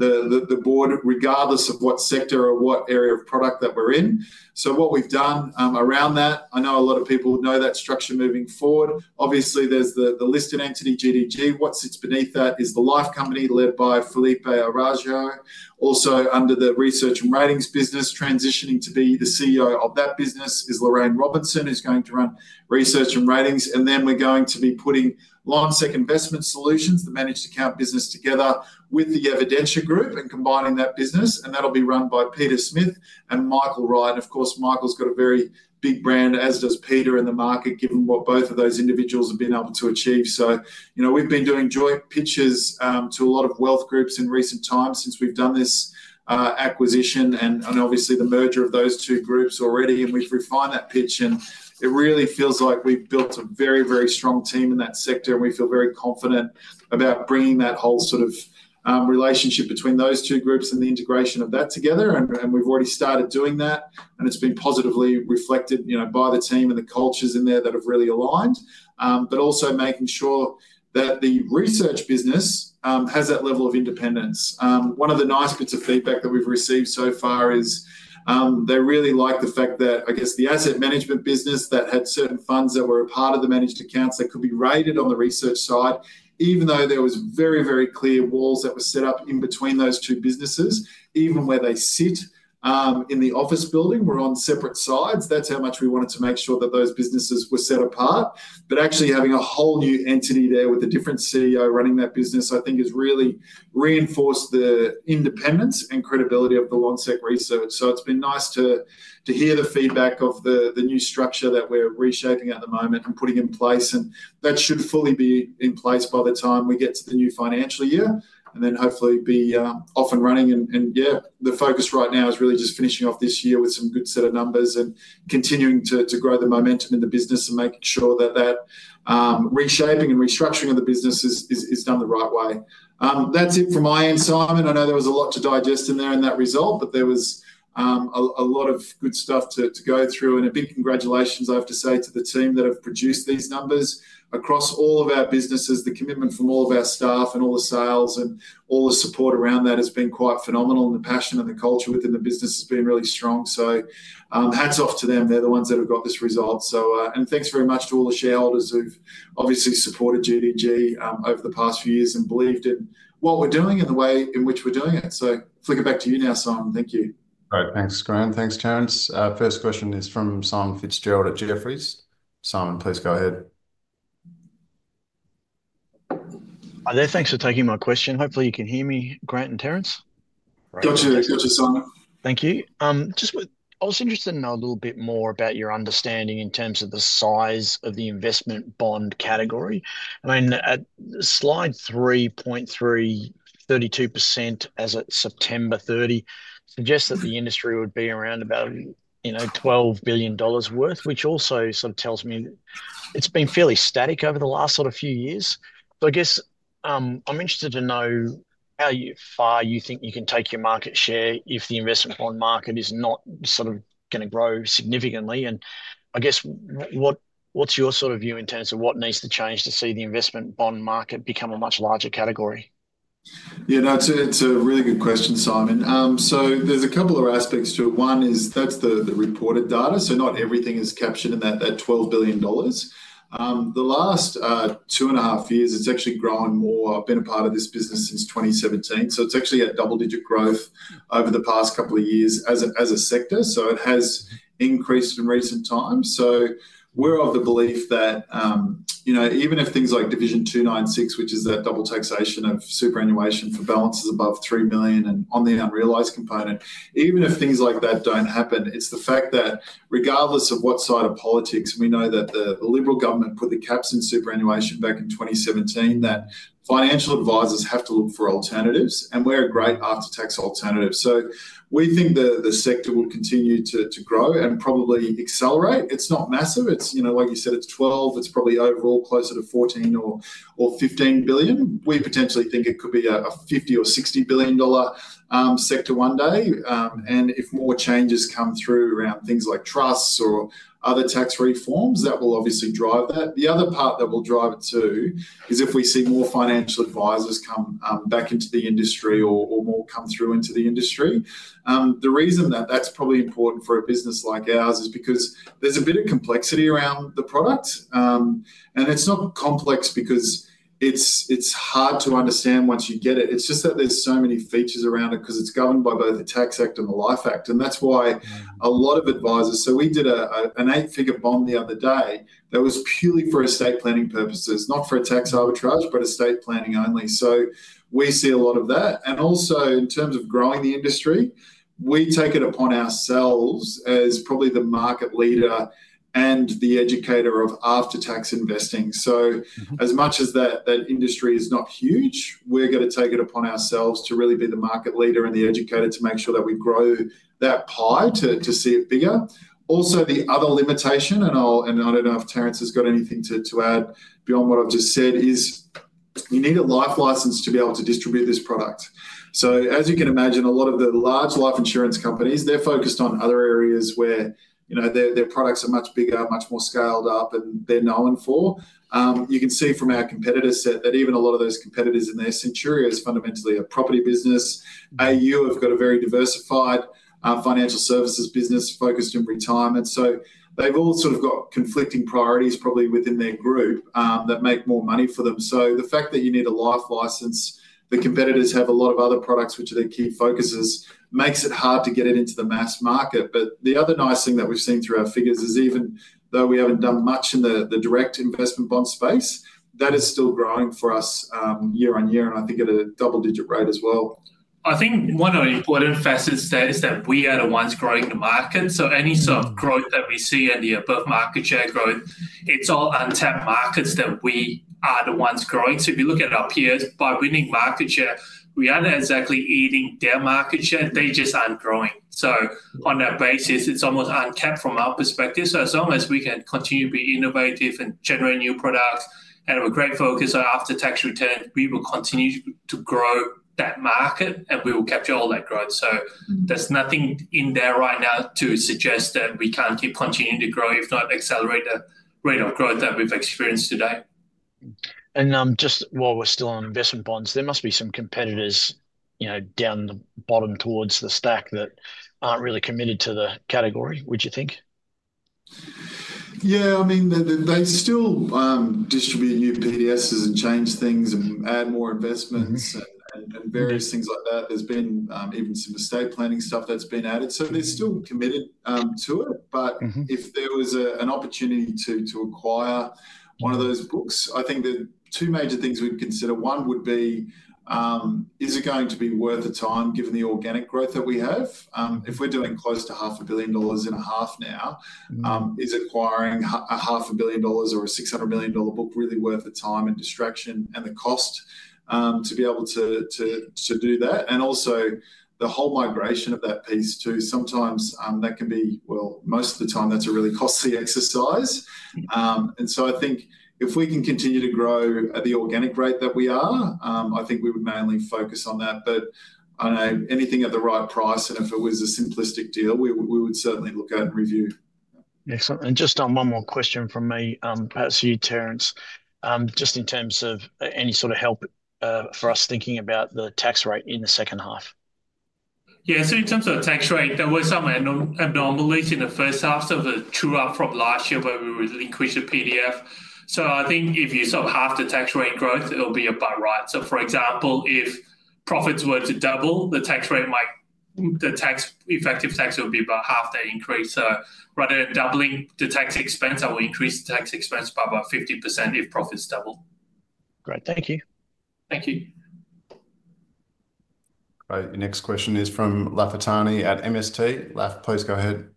B: the board, regardless of what sector or what area of product that we are in. What we have done around that, I know a lot of people know that structure moving forward. Obviously, there's the listed entity GDG. What sits beneath that is the life company led by Felipe Araujo. Also under the research and ratings business, transitioning to be the CEO of that business is Lorraine Robinson, who's going to run research and ratings. We are going to be putting Lonsec Investment Solutions, the managed account business, together with the Evidentia Group and combining that business. That will be run by Peter Smith and Michael Wright. Of course, Michael's got a very big brand, as does Peter in the market, given what both of those individuals have been able to achieve. We have been doing joint pitches to a lot of wealth groups in recent time since we've done this acquisition and obviously the merger of those two groups already. We have refined that pitch, and it really feels like we have built a very, very strong team in that sector, and we feel very confident about bringing that whole sort of relationship between those two groups and the integration of that together. We have already started doing that, and it has been positively reflected by the team and the cultures in there that have really aligned, but also making sure that the research business has that level of independence. One of the nice bits of feedback that we've received so far is they really like the fact that, I guess, the asset management business that had certain funds that were a part of the managed accounts that could be rated on the research side, even though there were very, very clear walls that were set up in between those two businesses, even where they sit in the office building, were on separate sides. That is how much we wanted to make sure that those businesses were set apart. Actually having a whole new entity there with a different CEO running that business, I think, has really reinforced the independence and credibility of the Lonsec Research. It has been nice to hear the feedback of the new structure that we are reshaping at the moment and putting in place, and that should fully be in place by the time we get to the new financial year and then hopefully be off and running. Yeah, the focus right now is really just finishing off this year with some good set of numbers and continuing to grow the momentum in the business and making sure that that reshaping and restructuring of the business is done the right way. That is it from my end, Simon. I know there was a lot to digest in there in that result, but there was a lot of good stuff to go through. A big congratulations, I have to say, to the team that have produced these numbers across all of our businesses. The commitment from all of our staff and all the sales and all the support around that has been quite phenomenal, and the passion and the culture within the business has been really strong. Hats off to them. They're the ones that have got this result. Thanks very much to all the shareholders who've obviously supported GDG over the past few years and believed in what we're doing and the way in which we're doing it. Flick it back to you now, Simon. Thank you.
A: All right. Thanks, Grant. Thanks, Terence. First question is from Simon Fitzgerald at Jefferies. Simon, please go ahead.
D: Hi there. Thanks for taking my question. Hopefully, you can hear me, Grant and Terence.
B: Got you. Got you, Simon.
D: Thank you. I was interested in a little bit more about your understanding in terms of the size of the investment bond category. I mean, slide 3.3, 32% as of September 30 suggests that the industry would be around about 12 billion dollars worth, which also sort of tells me it's been fairly static over the last sort of few years. I guess I'm interested to know how far you think you can take your market share if the investment bond market is not sort of going to grow significantly. I guess what's your sort of view in terms of what needs to change to see the investment bond market become a much larger category?
B: Yeah, no, it's a really good question, Simon. There's a couple of aspects to it. One is that's the reported data. Not everything is captured in that 12 billion dollars. The last two and a half years, it's actually grown more. I've been a part of this business since 2017. It's actually at double-digit growth over the past couple of years as a sector. It has increased in recent times. We're of the belief that even if things like Division 296, which is that double taxation of superannuation for balances above 3 million and on the unrealized component, even if things like that don't happen, it's the fact that regardless of what side of politics, we know that the Liberal government put the caps in superannuation back in 2017, that financial advisors have to look for alternatives, and we're a great after-tax alternative. We think the sector will continue to grow and probably accelerate. It's not massive. Like you said, it's 12 billion. It's probably overall closer to 14 or 15 billion. We potentially think it could be a 50 billion-60 billion dollar sector one day. If more changes come through around things like trusts or other tax reforms, that will obviously drive that. The other part that will drive it too is if we see more financial advisors come back into the industry or more come through into the industry. The reason that that's probably important for a business like ours is because there's a bit of complexity around the product. It's not complex because it's hard to understand once you get it. It's just that there's so many features around it because it's governed by both the Tax Act and the Life Act. That's why a lot of advisors—so we did an eight-figure bond the other day that was purely for estate planning purposes, not for tax arbitrage, but estate planning only. We see a lot of that. In terms of growing the industry, we take it upon ourselves as probably the market leader and the educator of after-tax investing. As much as that industry is not huge, we're going to take it upon ourselves to really be the market leader and the educator to make sure that we grow that pie to see it bigger. Also, the other limitation—I do not know if Terence has got anything to add beyond what I have just said—is you need a life license to be able to distribute this product. As you can imagine, a lot of the large life insurance companies are focused on other areas where their products are much bigger, much more scaled up, and they are known for them. You can see from our competitor set that even a lot of those competitors in there, Centuria is fundamentally a property business. AU have got a very diversified financial services business focused in retirement. They have all sort of got conflicting priorities probably within their group that make more money for them. The fact that you need a life license—the competitors have a lot of other products which are their key focuses—makes it hard to get it into the mass market. The other nice thing that we have seen through our figures is even though we have not done much in the direct investment bond space, that is still growing for us YoY, and I think at a double-digit rate as well.
C: I think one of the important facets there is that we are the ones growing the market. Any sort of growth that we see in the above market share growth, it is all untapped markets that we are the ones growing. If you look at our peers, by winning market share, we aren't exactly eating their market share. They just aren't growing. On that basis, it's almost untapped from our perspective. As long as we can continue to be innovative and generate new products and have a great focus on after-tax return, we will continue to grow that market, and we will capture all that growth. There's nothing in there right now to suggest that we can't keep continuing to grow, if not accelerate the rate of growth that we've experienced today.
D: While we're still on investment bonds, there must be some competitors down the bottom towards the stack that aren't really committed to the category, would you think?
B: Yeah. I mean, they still distribute new PDSs and change things and add more investments and various things like that. There's been even some estate planning stuff that's been added. They're still committed to it. If there was an opportunity to acquire one of those books, I think the two major things we'd consider, one would be, is it going to be worth the time given the organic growth that we have? If we're doing close to 500,000,000 dollars and a half now, is acquiring 500,000,000 dollars or a 600,000,000 dollar book really worth the time and distraction and the cost to be able to do that? Also, the whole migration of that piece too, sometimes that can be, most of the time, that's a really costly exercise. I think if we can continue to grow at the organic rate that we are, I think we would mainly focus on that. Anything at the right price, and if it was a simplistic deal, we would certainly look at and review.
D: Excellent. Just one more question from me, perhaps you, Terence, just in terms of any sort of help for us thinking about the tax rate in the second half.
C: Yeah. In terms of tax rate, there were some abnormalities in the first half of the two-up from last year where we relinquished the PDF. I think if you sort of half the tax rate growth, it'll be about right. For example, if profits were to double, the tax effective tax would be about half that increase. Rather than doubling the tax expense, I will increase the tax expense by about 50% if profits double.
D: Great. Thank you.
C: Thank you.
A: All right. Next question is from Lafitani at MST. Laf, please go ahead.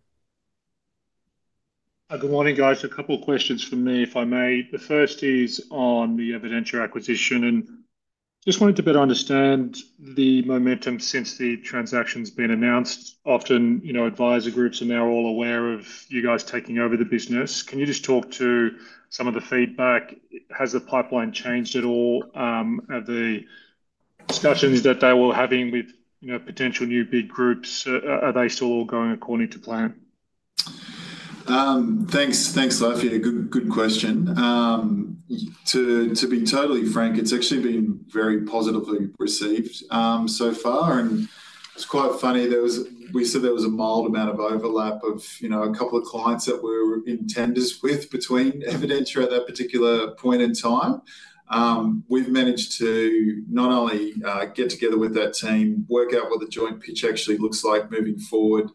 E: Good morning, guys. A couple of questions for me, if I may. The first is on the Evidentia acquisition. I just wanted to better understand the momentum since the transaction's been announced. Often, advisor groups are now all aware of you guys taking over the business. Can you just talk to some of the feedback? Has the pipeline changed at all? Are the discussions that they were having with potential new big groups, are they still all going according to plan?
B: Thanks, Lafi. Good question. To be totally frank, it's actually been very positively received so far. It's quite funny. We said there was a mild amount of overlap of a couple of clients that we were in tenders with between Evidentia at that particular point in time. We've managed to not only get together with that team, work out what the joint pitch actually looks like moving forward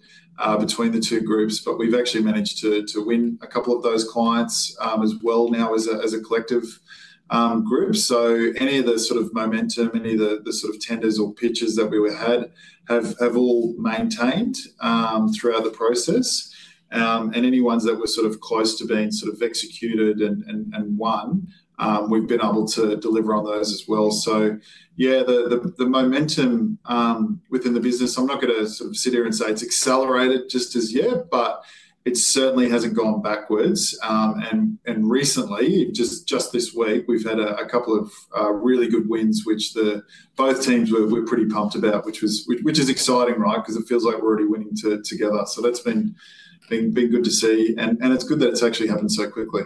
B: between the two groups, but we've actually managed to win a couple of those clients as well now as a collective group. Any of the sort of momentum, any of the sort of tenders or pitches that we had have all maintained throughout the process. Any ones that were sort of close to being sort of executed and won, we've been able to deliver on those as well. The momentum within the business, I'm not going to sort of sit here and say it's accelerated just as yet, but it certainly hasn't gone backwards. Recently, just this week, we've had a couple of really good wins, which both teams were pretty pumped about, which is exciting, right? Because it feels like we're already winning together. That's been good to see. It's good that it's actually happened so quickly.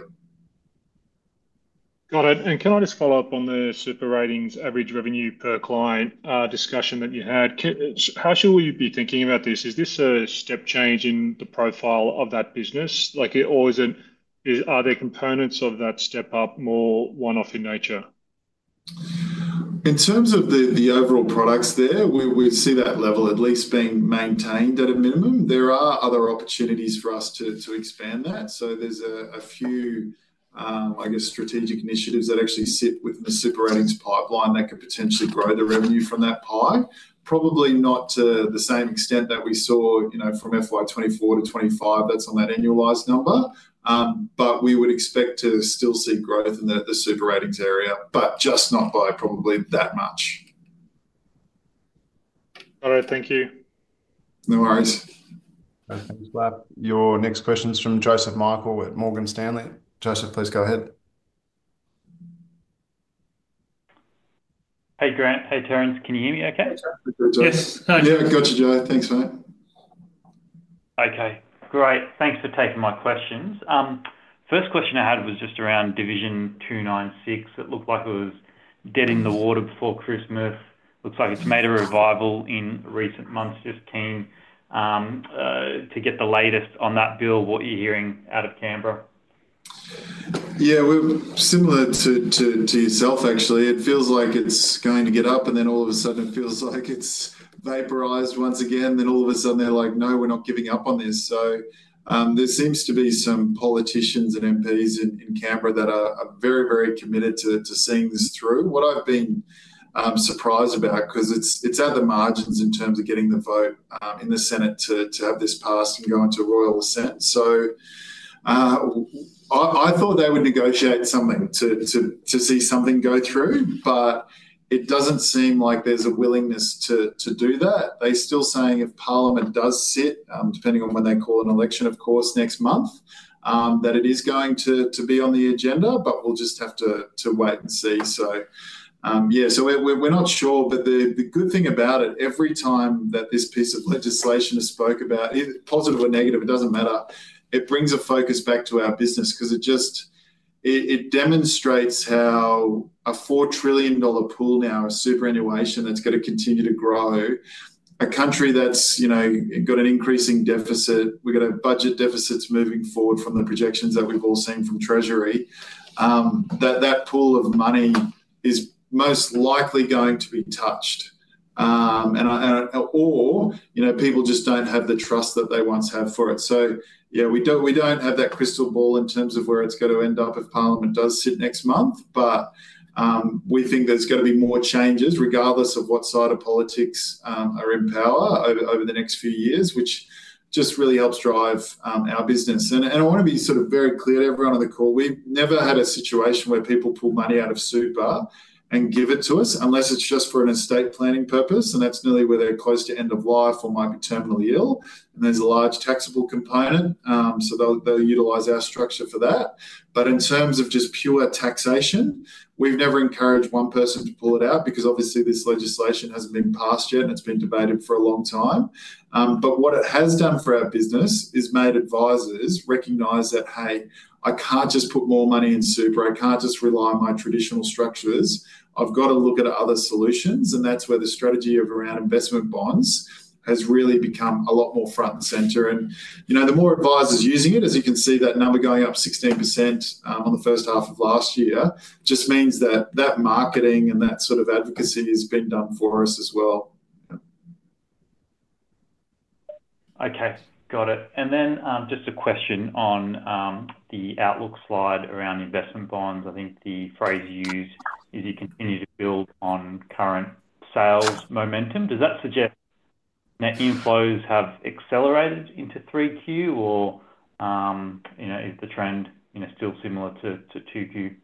E: Got it. Can I just follow up on the SuperRatings average revenue per client discussion that you had? How should we be thinking about this? Is this a step change in the profile of that business? Are there components of that step up more one-off in nature?
B: In terms of the overall products there, we see that level at least being maintained at a minimum. There are other opportunities for us to expand that. There's a few, I guess, strategic initiatives that actually sit within the SuperRatings pipeline that could potentially grow the revenue from that pie. Probably not to the same extent that we saw from FY 2024 to FY 2025. That's on that annualized number. We would expect to still see growth in the SuperRatings area, just not by probably that much.
E: All right. Thank you.
B: No worries.
A: Thanks, Laff. Your next question is from Joseph Michael at Morgan Stanley. Joseph, please go ahead.
F: Hey, Grant. Hey, Terence. Can you hear me okay?
C: Yes.
B: Yeah. I got you, Joe. Thanks, mate.
F: Okay. Great. Thanks for taking my questions. First question I had was just around Division 296. It looked like it was dead in the water before Chris Murth. Looks like it has made a revival in recent months just to get the latest on that bill, what you are hearing out of Canberra.
B: Yeah. Similar to yourself, actually. It feels like it is going to get up, and then all of a sudden, it feels like it has vaporized once again. All of a sudden, they're like, "No, we're not giving up on this." There seems to be some politicians and MPs in Canberra that are very, very committed to seeing this through. What I've been surprised about because it's at the margins in terms of getting the vote in the Senate to have this passed and go into Royal Assent. I thought they would negotiate something to see something go through, but it doesn't seem like there's a willingness to do that. They're still saying if Parliament does sit, depending on when they call an election, of course, next month, that it is going to be on the agenda, but we'll just have to wait and see. We're not sure. The good thing about it, every time that this piece of legislation is spoken about, positive or negative, it does not matter, it brings a focus back to our business because it demonstrates how a 4 trillion dollar pool now of superannuation that is going to continue to grow, a country that has got an increasing deficit, we have got a budget deficit moving forward from the projections that we have all seen from Treasury, that that pool of money is most likely going to be touched or people just do not have the trust that they once had for it. Yeah, we do not have that crystal ball in terms of where it is going to end up if Parliament does sit next month. We think there is going to be more changes regardless of what side of politics are in power over the next few years, which just really helps drive our business. I want to be sort of very clear to everyone on the call. We've never had a situation where people pull money out of super and give it to us unless it's just for an estate planning purpose. That's nearly where they're close to end of life or might be terminally ill. There's a large taxable component, so they'll utilize our structure for that. In terms of just pure taxation, we've never encouraged one person to pull it out because obviously this legislation hasn't been passed yet, and it's been debated for a long time. What it has done for our business is made advisors recognize that, "Hey, I can't just put more money in super. I can't just rely on my traditional structures. I've got to look at other solutions. That's where the strategy around investment bonds has really become a lot more front and center. The more advisors using it, as you can see that number going up 16% on the first half of last year, just means that that marketing and that sort of advocacy has been done for us as well.
F: Okay. Got it. Just a question on the outlook slide around investment bonds. I think the phrase used is you continue to build on current sales momentum. Does that suggest that inflows have accelerated into 3Q, or is the trend still similar to 2Q?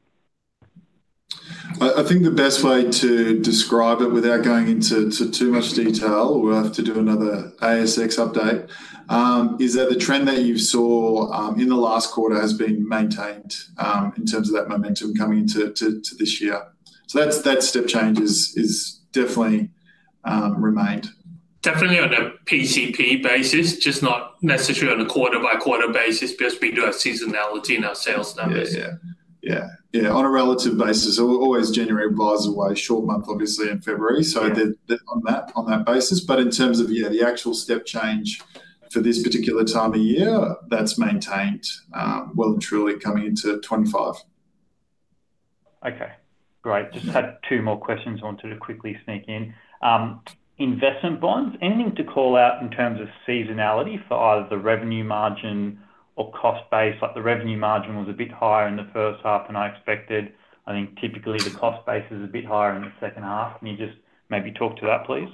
B: I think the best way to describe it without going into too much detail—we'll have to do another ASX update—is that the trend that you saw in the last quarter has been maintained in terms of that momentum coming into this year. That step change has definitely remained.
C: Definitely on a PCP basis, just not necessarily on a QoQ basis because we do have seasonality in our sales numbers.
B: Yeah. Yeah. On a relative basis, always January buys away short month, obviously, in February. On that basis. In terms of the actual step change for this particular time of year, that's maintained well and truly coming into 2025.
F: Okay. Great. Just had two more questions. I wanted to quickly sneak in. Investment bonds, anything to call out in terms of seasonality for either the revenue margin or cost base? The revenue margin was a bit higher in the first half than I expected. I think typically the cost base is a bit higher in the second half. Can you just maybe talk to that, please?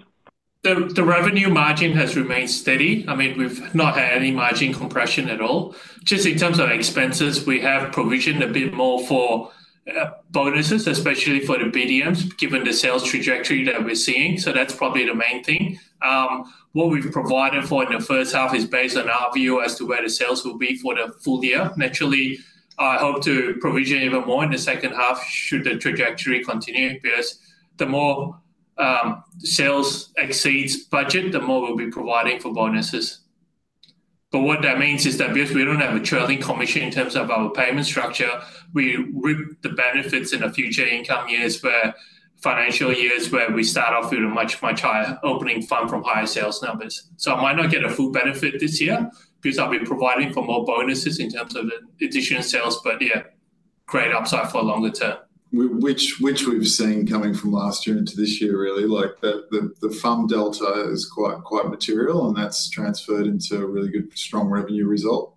C: The revenue margin has remained steady. I mean, we've not had any margin compression at all. Just in terms of expenses, we have provisioned a bit more for bonuses, especially for the BDMs, given the sales trajectory that we're seeing. That's probably the main thing. What we've provided for in the first half is based on our view as to where the sales will be for the full year. Naturally, I hope to provision even more in the second half should the trajectory continue because the more sales exceeds budget, the more we'll be providing for bonuses. What that means is that because we do not have a trailing commission in terms of our payment structure, we reap the benefits in the future income years, where financial years where we start off with a much, much higher opening fund from higher sales numbers. I might not get a full benefit this year because I will be providing for more bonuses in terms of additional sales. Yeah, great upside for a longer term.
B: Which we have seen coming from last year into this year, really. The fund delta is quite material, and that has transferred into a really good, strong revenue result.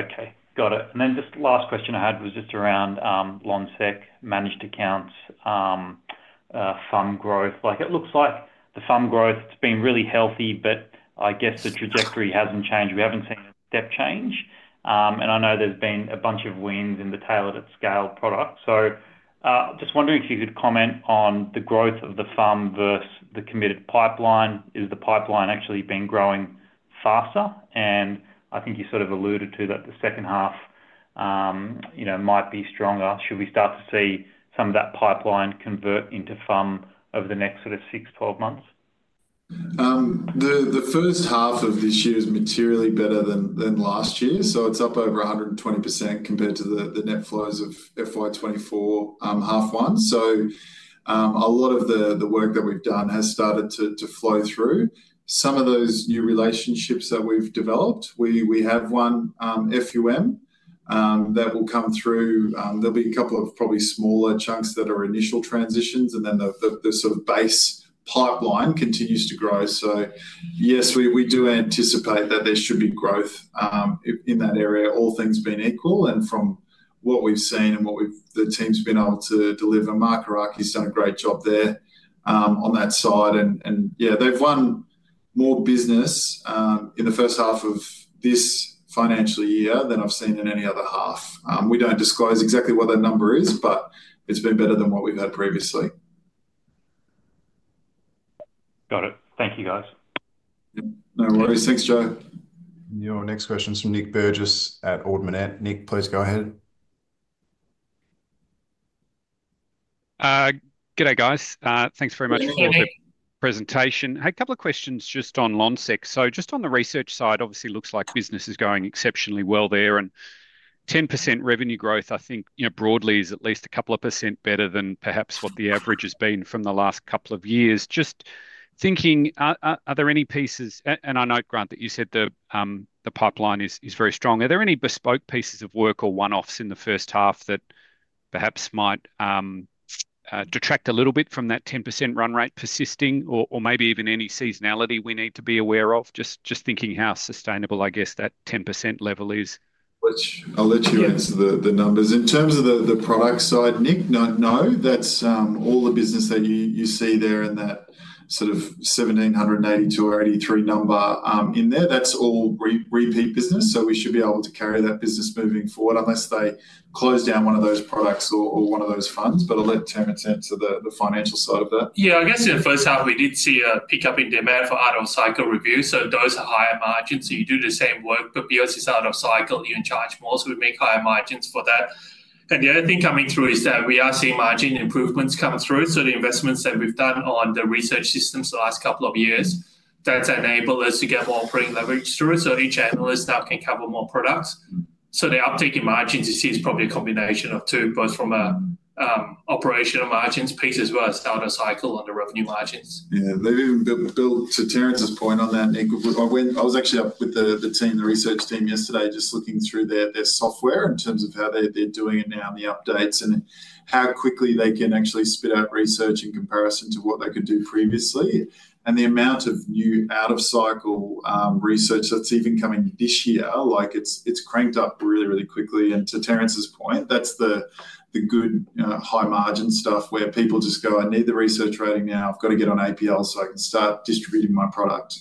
F: Okay. Got it. The last question I had was just around Lonsec managed accounts fund growth. It looks like the fund growth has been really healthy, but I guess the trajectory has not changed. We have not seen a step change. I know there's been a bunch of wins in the tailored at scale product. Just wondering if you could comment on the growth of the fund versus the committed pipeline. Is the pipeline actually growing faster? I think you sort of alluded to that the second half might be stronger. Should we start to see some of that pipeline convert into fund over the next six to 12 months?
B: The first half of this year is materially better than last year. It's up over 120% compared to the net flows of FY2024 half one. A lot of the work that we've done has started to flow through. Some of those new relationships that we've developed, we have one FUM that will come through. There'll be a couple of probably smaller chunks that are initial transitions, and then the sort of base pipeline continues to grow. Yes, we do anticipate that there should be growth in that area, all things being equal. From what we've seen and what the team's been able to deliver, Mark Haraki's done a great job there on that side. They've won more business in the first half of this financial year than I've seen in any other half. We don't disclose exactly what that number is, but it's been better than what we've had previously.
F: Got it. Thank you, guys.
B: No worries. Thanks, Joe.
A: Your next question's from Nick Burgess at Ord Minnett. Nick, please go ahead.
G: G'day, guys. Thanks very much for the presentation. Hey, a couple of questions just on Lonsec. Just on the research side, obviously it looks like business is going exceptionally well there. And 10% revenue growth, I think broadly is at least a couple of percent better than perhaps what the average has been from the last couple of years. Just thinking, are there any pieces—and I know, Grant, that you said the pipeline is very strong—are there any bespoke pieces of work or one-offs in the first half that perhaps might detract a little bit from that 10% run rate persisting or maybe even any seasonality we need to be aware of? Just thinking how sustainable, I guess, that 10% level is.
B: I'll let you answer the numbers. In terms of the product side, Nick, no, that's all the business that you see there in that sort of 1,782 or 1,783 number in there. That's all repeat business. We should be able to carry that business moving forward unless they close down one of those products or one of those funds. I'll let Terence answer the financial side of that.
C: Yeah, I guess in the first half, we did see a pickup in demand for out-of-cycle review. Those are higher margins. You do the same work, but because it is out-of-cycle, you charge more. We make higher margins for that. The other thing coming through is that we are seeing margin improvements come through. The investments that we have done on the research systems the last couple of years, that has enabled us to get more operating leverage through. Each analyst now can cover more products. The uptake in margins you see is probably a combination of two, both from an operational margins piece as well as out-of-cycle on the revenue margins.
B: Yeah. To Terence's point on that, Nick, I was actually up with the team, the research team yesterday, just looking through their software in terms of how they're doing it now and the updates and how quickly they can actually spit out research in comparison to what they could do previously. The amount of new out-of-cycle research that's even coming this year, it's cranked up really, really quickly. To Terence's point, that's the good high-margin stuff where people just go, "I need the research rating now. I've got to get on APL so I can start distributing my product."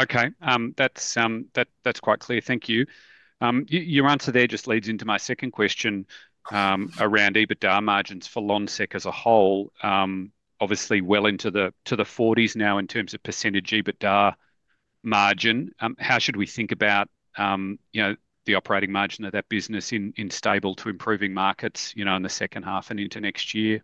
G: Okay. That's quite clear. Thank you. Your answer there just leads into my second question around EBITDA margins for Lonsec as a whole. Obviously, well into the 40s now in terms of percentage EBITDA margin. How should we think about the operating margin of that business in stable to improving markets in the second half and into next year?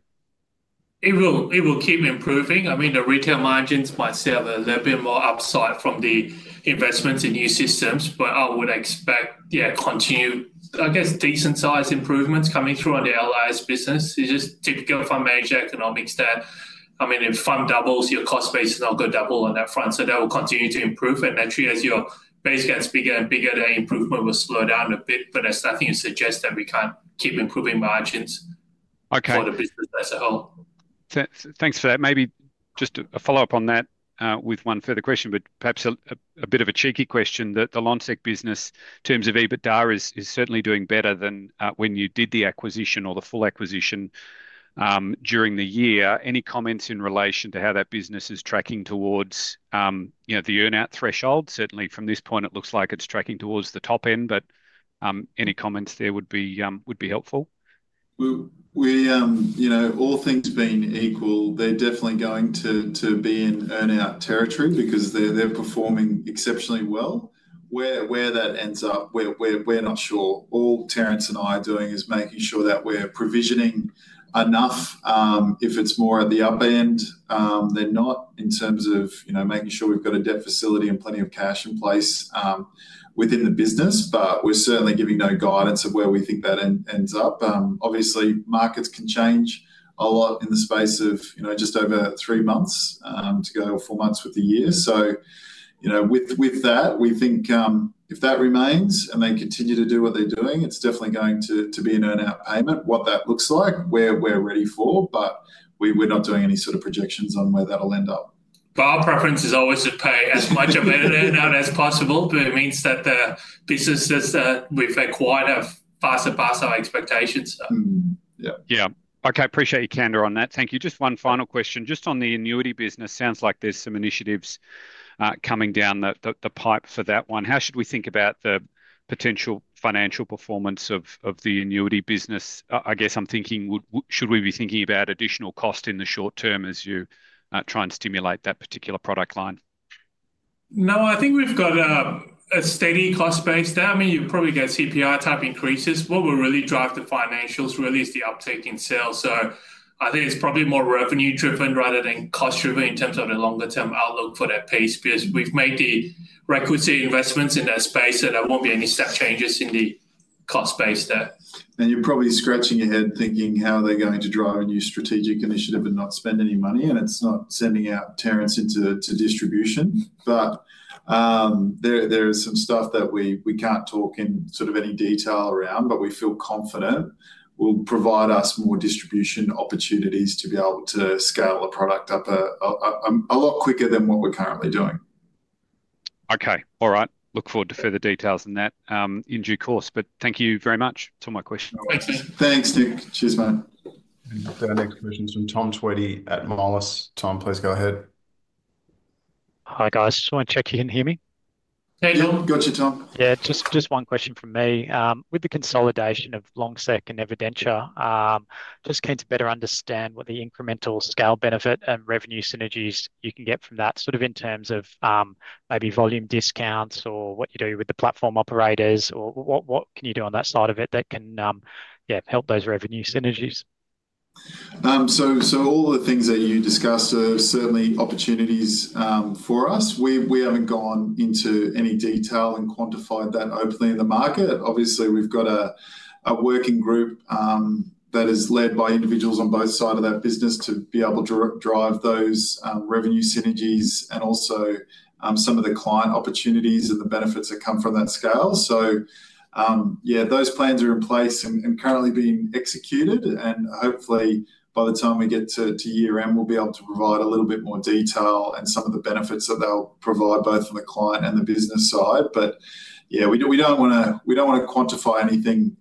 C: It will keep improving. I mean, the retail margins might see a little bit more upside from the investments in new systems, but I would expect, yeah, continued, I guess, decent-sized improvements coming through on the LIS business. It's just typical fund manager economics that, I mean, if fund doubles, your cost base is not going to double on that front. That will continue to improve. Naturally, as your base gets bigger and bigger, that improvement will slow down a bit. That is nothing to suggest that we can't keep improving margins for the business as a whole.
G: Thanks for that. Maybe just a follow-up on that with one further question, but perhaps a bit of a cheeky question. The Lonsec business, in terms of EBITDA, is certainly doing better than when you did the acquisition or the full acquisition during the year. Any comments in relation to how that business is tracking towards the earnout threshold? Certainly, from this point, it looks like it's tracking towards the top end, but any comments there would be helpful.
B: All things being equal, they're definitely going to be in earnout territory because they're performing exceptionally well. Where that ends up, we're not sure. All Terence and I are doing is making sure that we're provisioning enough if it's more at the upend than not in terms of making sure we've got a debt facility and plenty of cash in place within the business. We're certainly giving no guidance of where we think that ends up. Obviously, markets can change a lot in the space of just over three months to go or four months with the year. With that, we think if that remains and they continue to do what they're doing, it's definitely going to be an earnout payment. What that looks like, we're ready for. We're not doing any sort of projections on where that'll end up.
C: Our preference is always to pay as much of an earnout as possible. It means that the businesses that we've acquired have far surpassed our expectations.
G: Yeah. Okay. Appreciate your candor on that. Thank you. Just one final question. Just on the annuity business, sounds like there's some initiatives coming down the pipe for that one. How should we think about the potential financial performance of the annuity business? I guess I'm thinking, should we be thinking about additional cost in the short term as you try and stimulate that particular product line?
C: No, I think we've got a steady cost base there. I mean, you've probably got CPI-type increases. What will really drive the financials really is the uptake in sales. I think it's probably more revenue-driven rather than cost-driven in terms of the longer-term outlook for that piece because we've made the requisite investments in that space that there won't be any step changes in the cost base there.
B: You're probably scratching your head thinking, how are they going to drive a new strategic initiative and not spend any money? It's not sending out Terence into distribution. There is some stuff that we can't talk in sort of any detail around, but we feel confident will provide us more distribution opportunities to be able to scale a product up a lot quicker than what we're currently doing.
G: Okay. All right. Look forward to further details in that in due course. Thank you very much. That's all my questions.
B: Thanks, Nick. Cheers, mate.
A: Next question's from Tom Tweedie at Moelis. Tom, please go ahead.
H: Hi, guys. Just want to check if you can hear me.
C: Hey, Tom.
B: Got you, Tom.
H: Yeah. Just one question from me. With the consolidation of Lonsec and Evidentia, just came to better understand what the incremental scale benefit and revenue synergies you can get from that sort of in terms of maybe volume discounts or what you do with the platform operators or what can you do on that side of it that can, yeah, help those revenue synergies?
B: All the things that you discussed are certainly opportunities for us. We have not gone into any detail and quantified that openly in the market. Obviously, we have a working group that is led by individuals on both sides of that business to be able to drive those revenue synergies and also some of the client opportunities and the benefits that come from that scale. Those plans are in place and currently being executed. Hopefully, by the time we get to year-end, we'll be able to provide a little bit more detail and some of the benefits that they'll provide both from the client and the business side. We don't want to quantify anything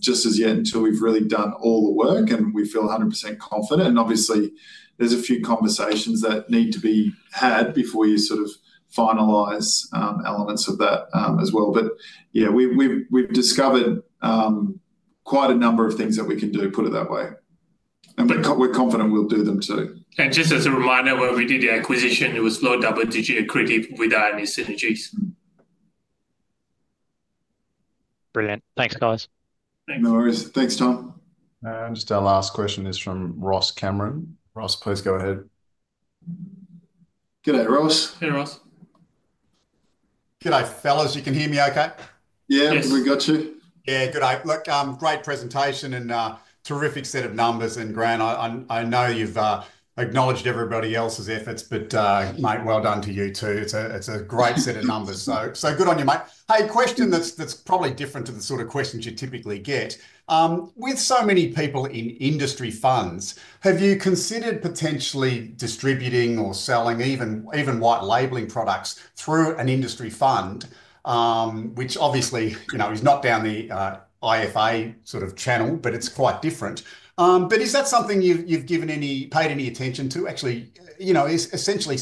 B: just as yet until we've really done all the work and we feel 100% confident. Obviously, there's a few conversations that need to be had before you sort of finalize elements of that as well. We've discovered quite a number of things that we can do, put it that way. We're confident we'll do them too.
C: Just as a reminder, when we did the acquisition, it was low-double digit equity without any synergies.
H: Brilliant. Thanks, guys.
B: No worries. Thanks, Tom.
A: Just our last question is from Ross Cameron. Ross, please go ahead.
B: G'day, Ross.
C: Hey, Ross. G'day, fellas. You can hear me okay? Yes.
B: We got you. Yeah. G'day. Look, great presentation and terrific set of numbers. And Grant, I know you've acknowledged everybody else's efforts, but mate, well done to you too. It's a great set of numbers. So good on you, mate. Hey, question that's probably different to the sort of questions you typically get. With so many people in industry funds, have you considered potentially distributing or selling, even white labeling products through an industry fund, which obviously is not down the IFA sort of channel, but it's quite different? But is that something you've paid any attention to? Actually, essentially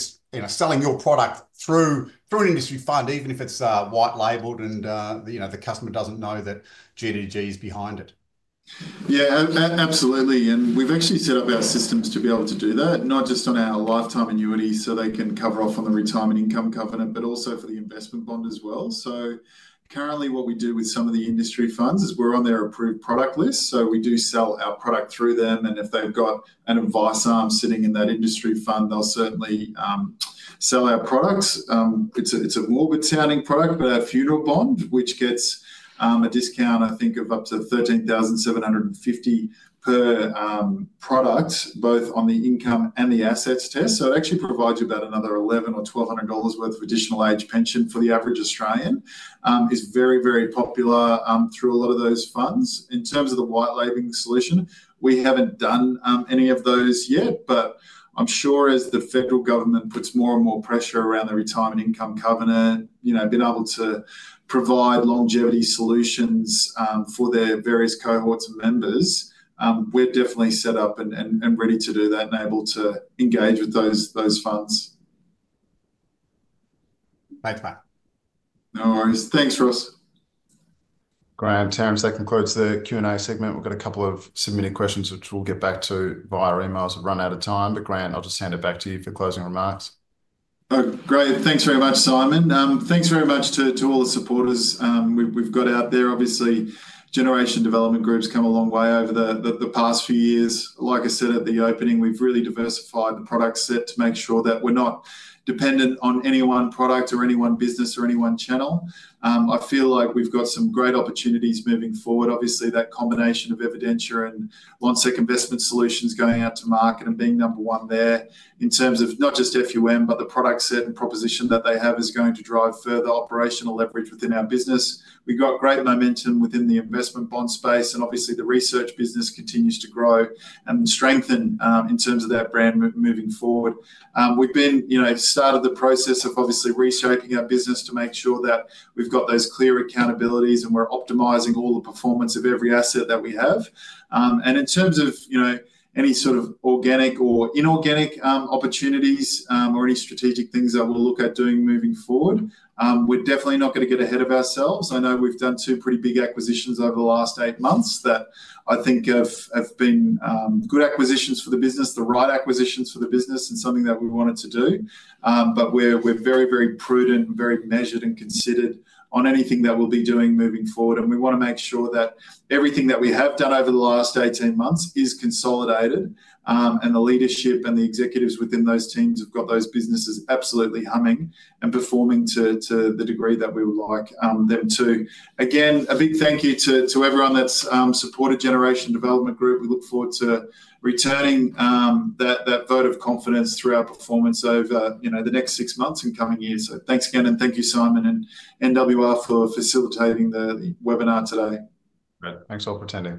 B: selling your product through an industry fund, even if it's white labeled and the customer doesn't know that GDG is behind it. Yeah, absolutely. We have actually set up our systems to be able to do that, not just on our lifetime annuity so they can cover off on the retirement income covenant, but also for the investment bond as well. Currently, what we do with some of the industry funds is we are on their approved product list. We do sell our product through them. If they have an advice arm sitting in that industry fund, they will certainly sell our products. It is a morbid-sounding product, but our funeral bond, which gets a discount, I think, of up to 13,750 per product, both on the income and the assets test. It actually provides you about another 1,100 or 1,200 dollars worth of additional age pension for the average Australian. It is very, very popular through a lot of those funds. In terms of the white labeling solution, we haven't done any of those yet, but I'm sure as the federal government puts more and more pressure around the retirement income covenant, being able to provide longevity solutions for their various cohorts and members, we're definitely set up and ready to do that and able to engage with those funds. Thanks, mate. No worries. Thanks, Ross.
A: Grant, Terence, that concludes the Q&A segment. We've got a couple of submitted questions, which we'll get back to via emails. We've run out of time. Grant, I'll just hand it back to you for closing remarks.
B: Great. Thanks very much, Simon. Thanks very much to all the supporters we've got out there. Obviously, Generation Development Group's come a long way over the past few years. Like I said at the opening, we've really diversified the product set to make sure that we're not dependent on any one product or any one business or any one channel. I feel like we've got some great opportunities moving forward. Obviously, that combination of Evidentia and Lonsec Investment Solutions going out to market and being number one there in terms of not just FUM, but the product set and proposition that they have is going to drive further operational leverage within our business. We've got great momentum within the investment bond space, and obviously, the research business continues to grow and strengthen in terms of that brand moving forward. We've started the process of obviously reshaping our business to make sure that we've got those clear accountabilities and we're optimizing all the performance of every asset that we have. In terms of any sort of organic or inorganic opportunities or any strategic things that we'll look at doing moving forward, we're definitely not going to get ahead of ourselves. I know we've done two pretty big acquisitions over the last eight months that I think have been good acquisitions for the business, the right acquisitions for the business, and something that we wanted to do. We're very, very prudent, very measured, and considered on anything that we'll be doing moving forward. We want to make sure that everything that we have done over the last 18 months is consolidated, and the leadership and the executives within those teams have got those businesses absolutely humming and performing to the degree that we would like them to. Again, a big thank you to everyone that's supported Generation Development Group. We look forward to returning that vote of confidence through our performance over the next six months and coming years. Thanks again, and thank you, Simon and NWR, for facilitating the webinar today.
A: Thanks all for attending.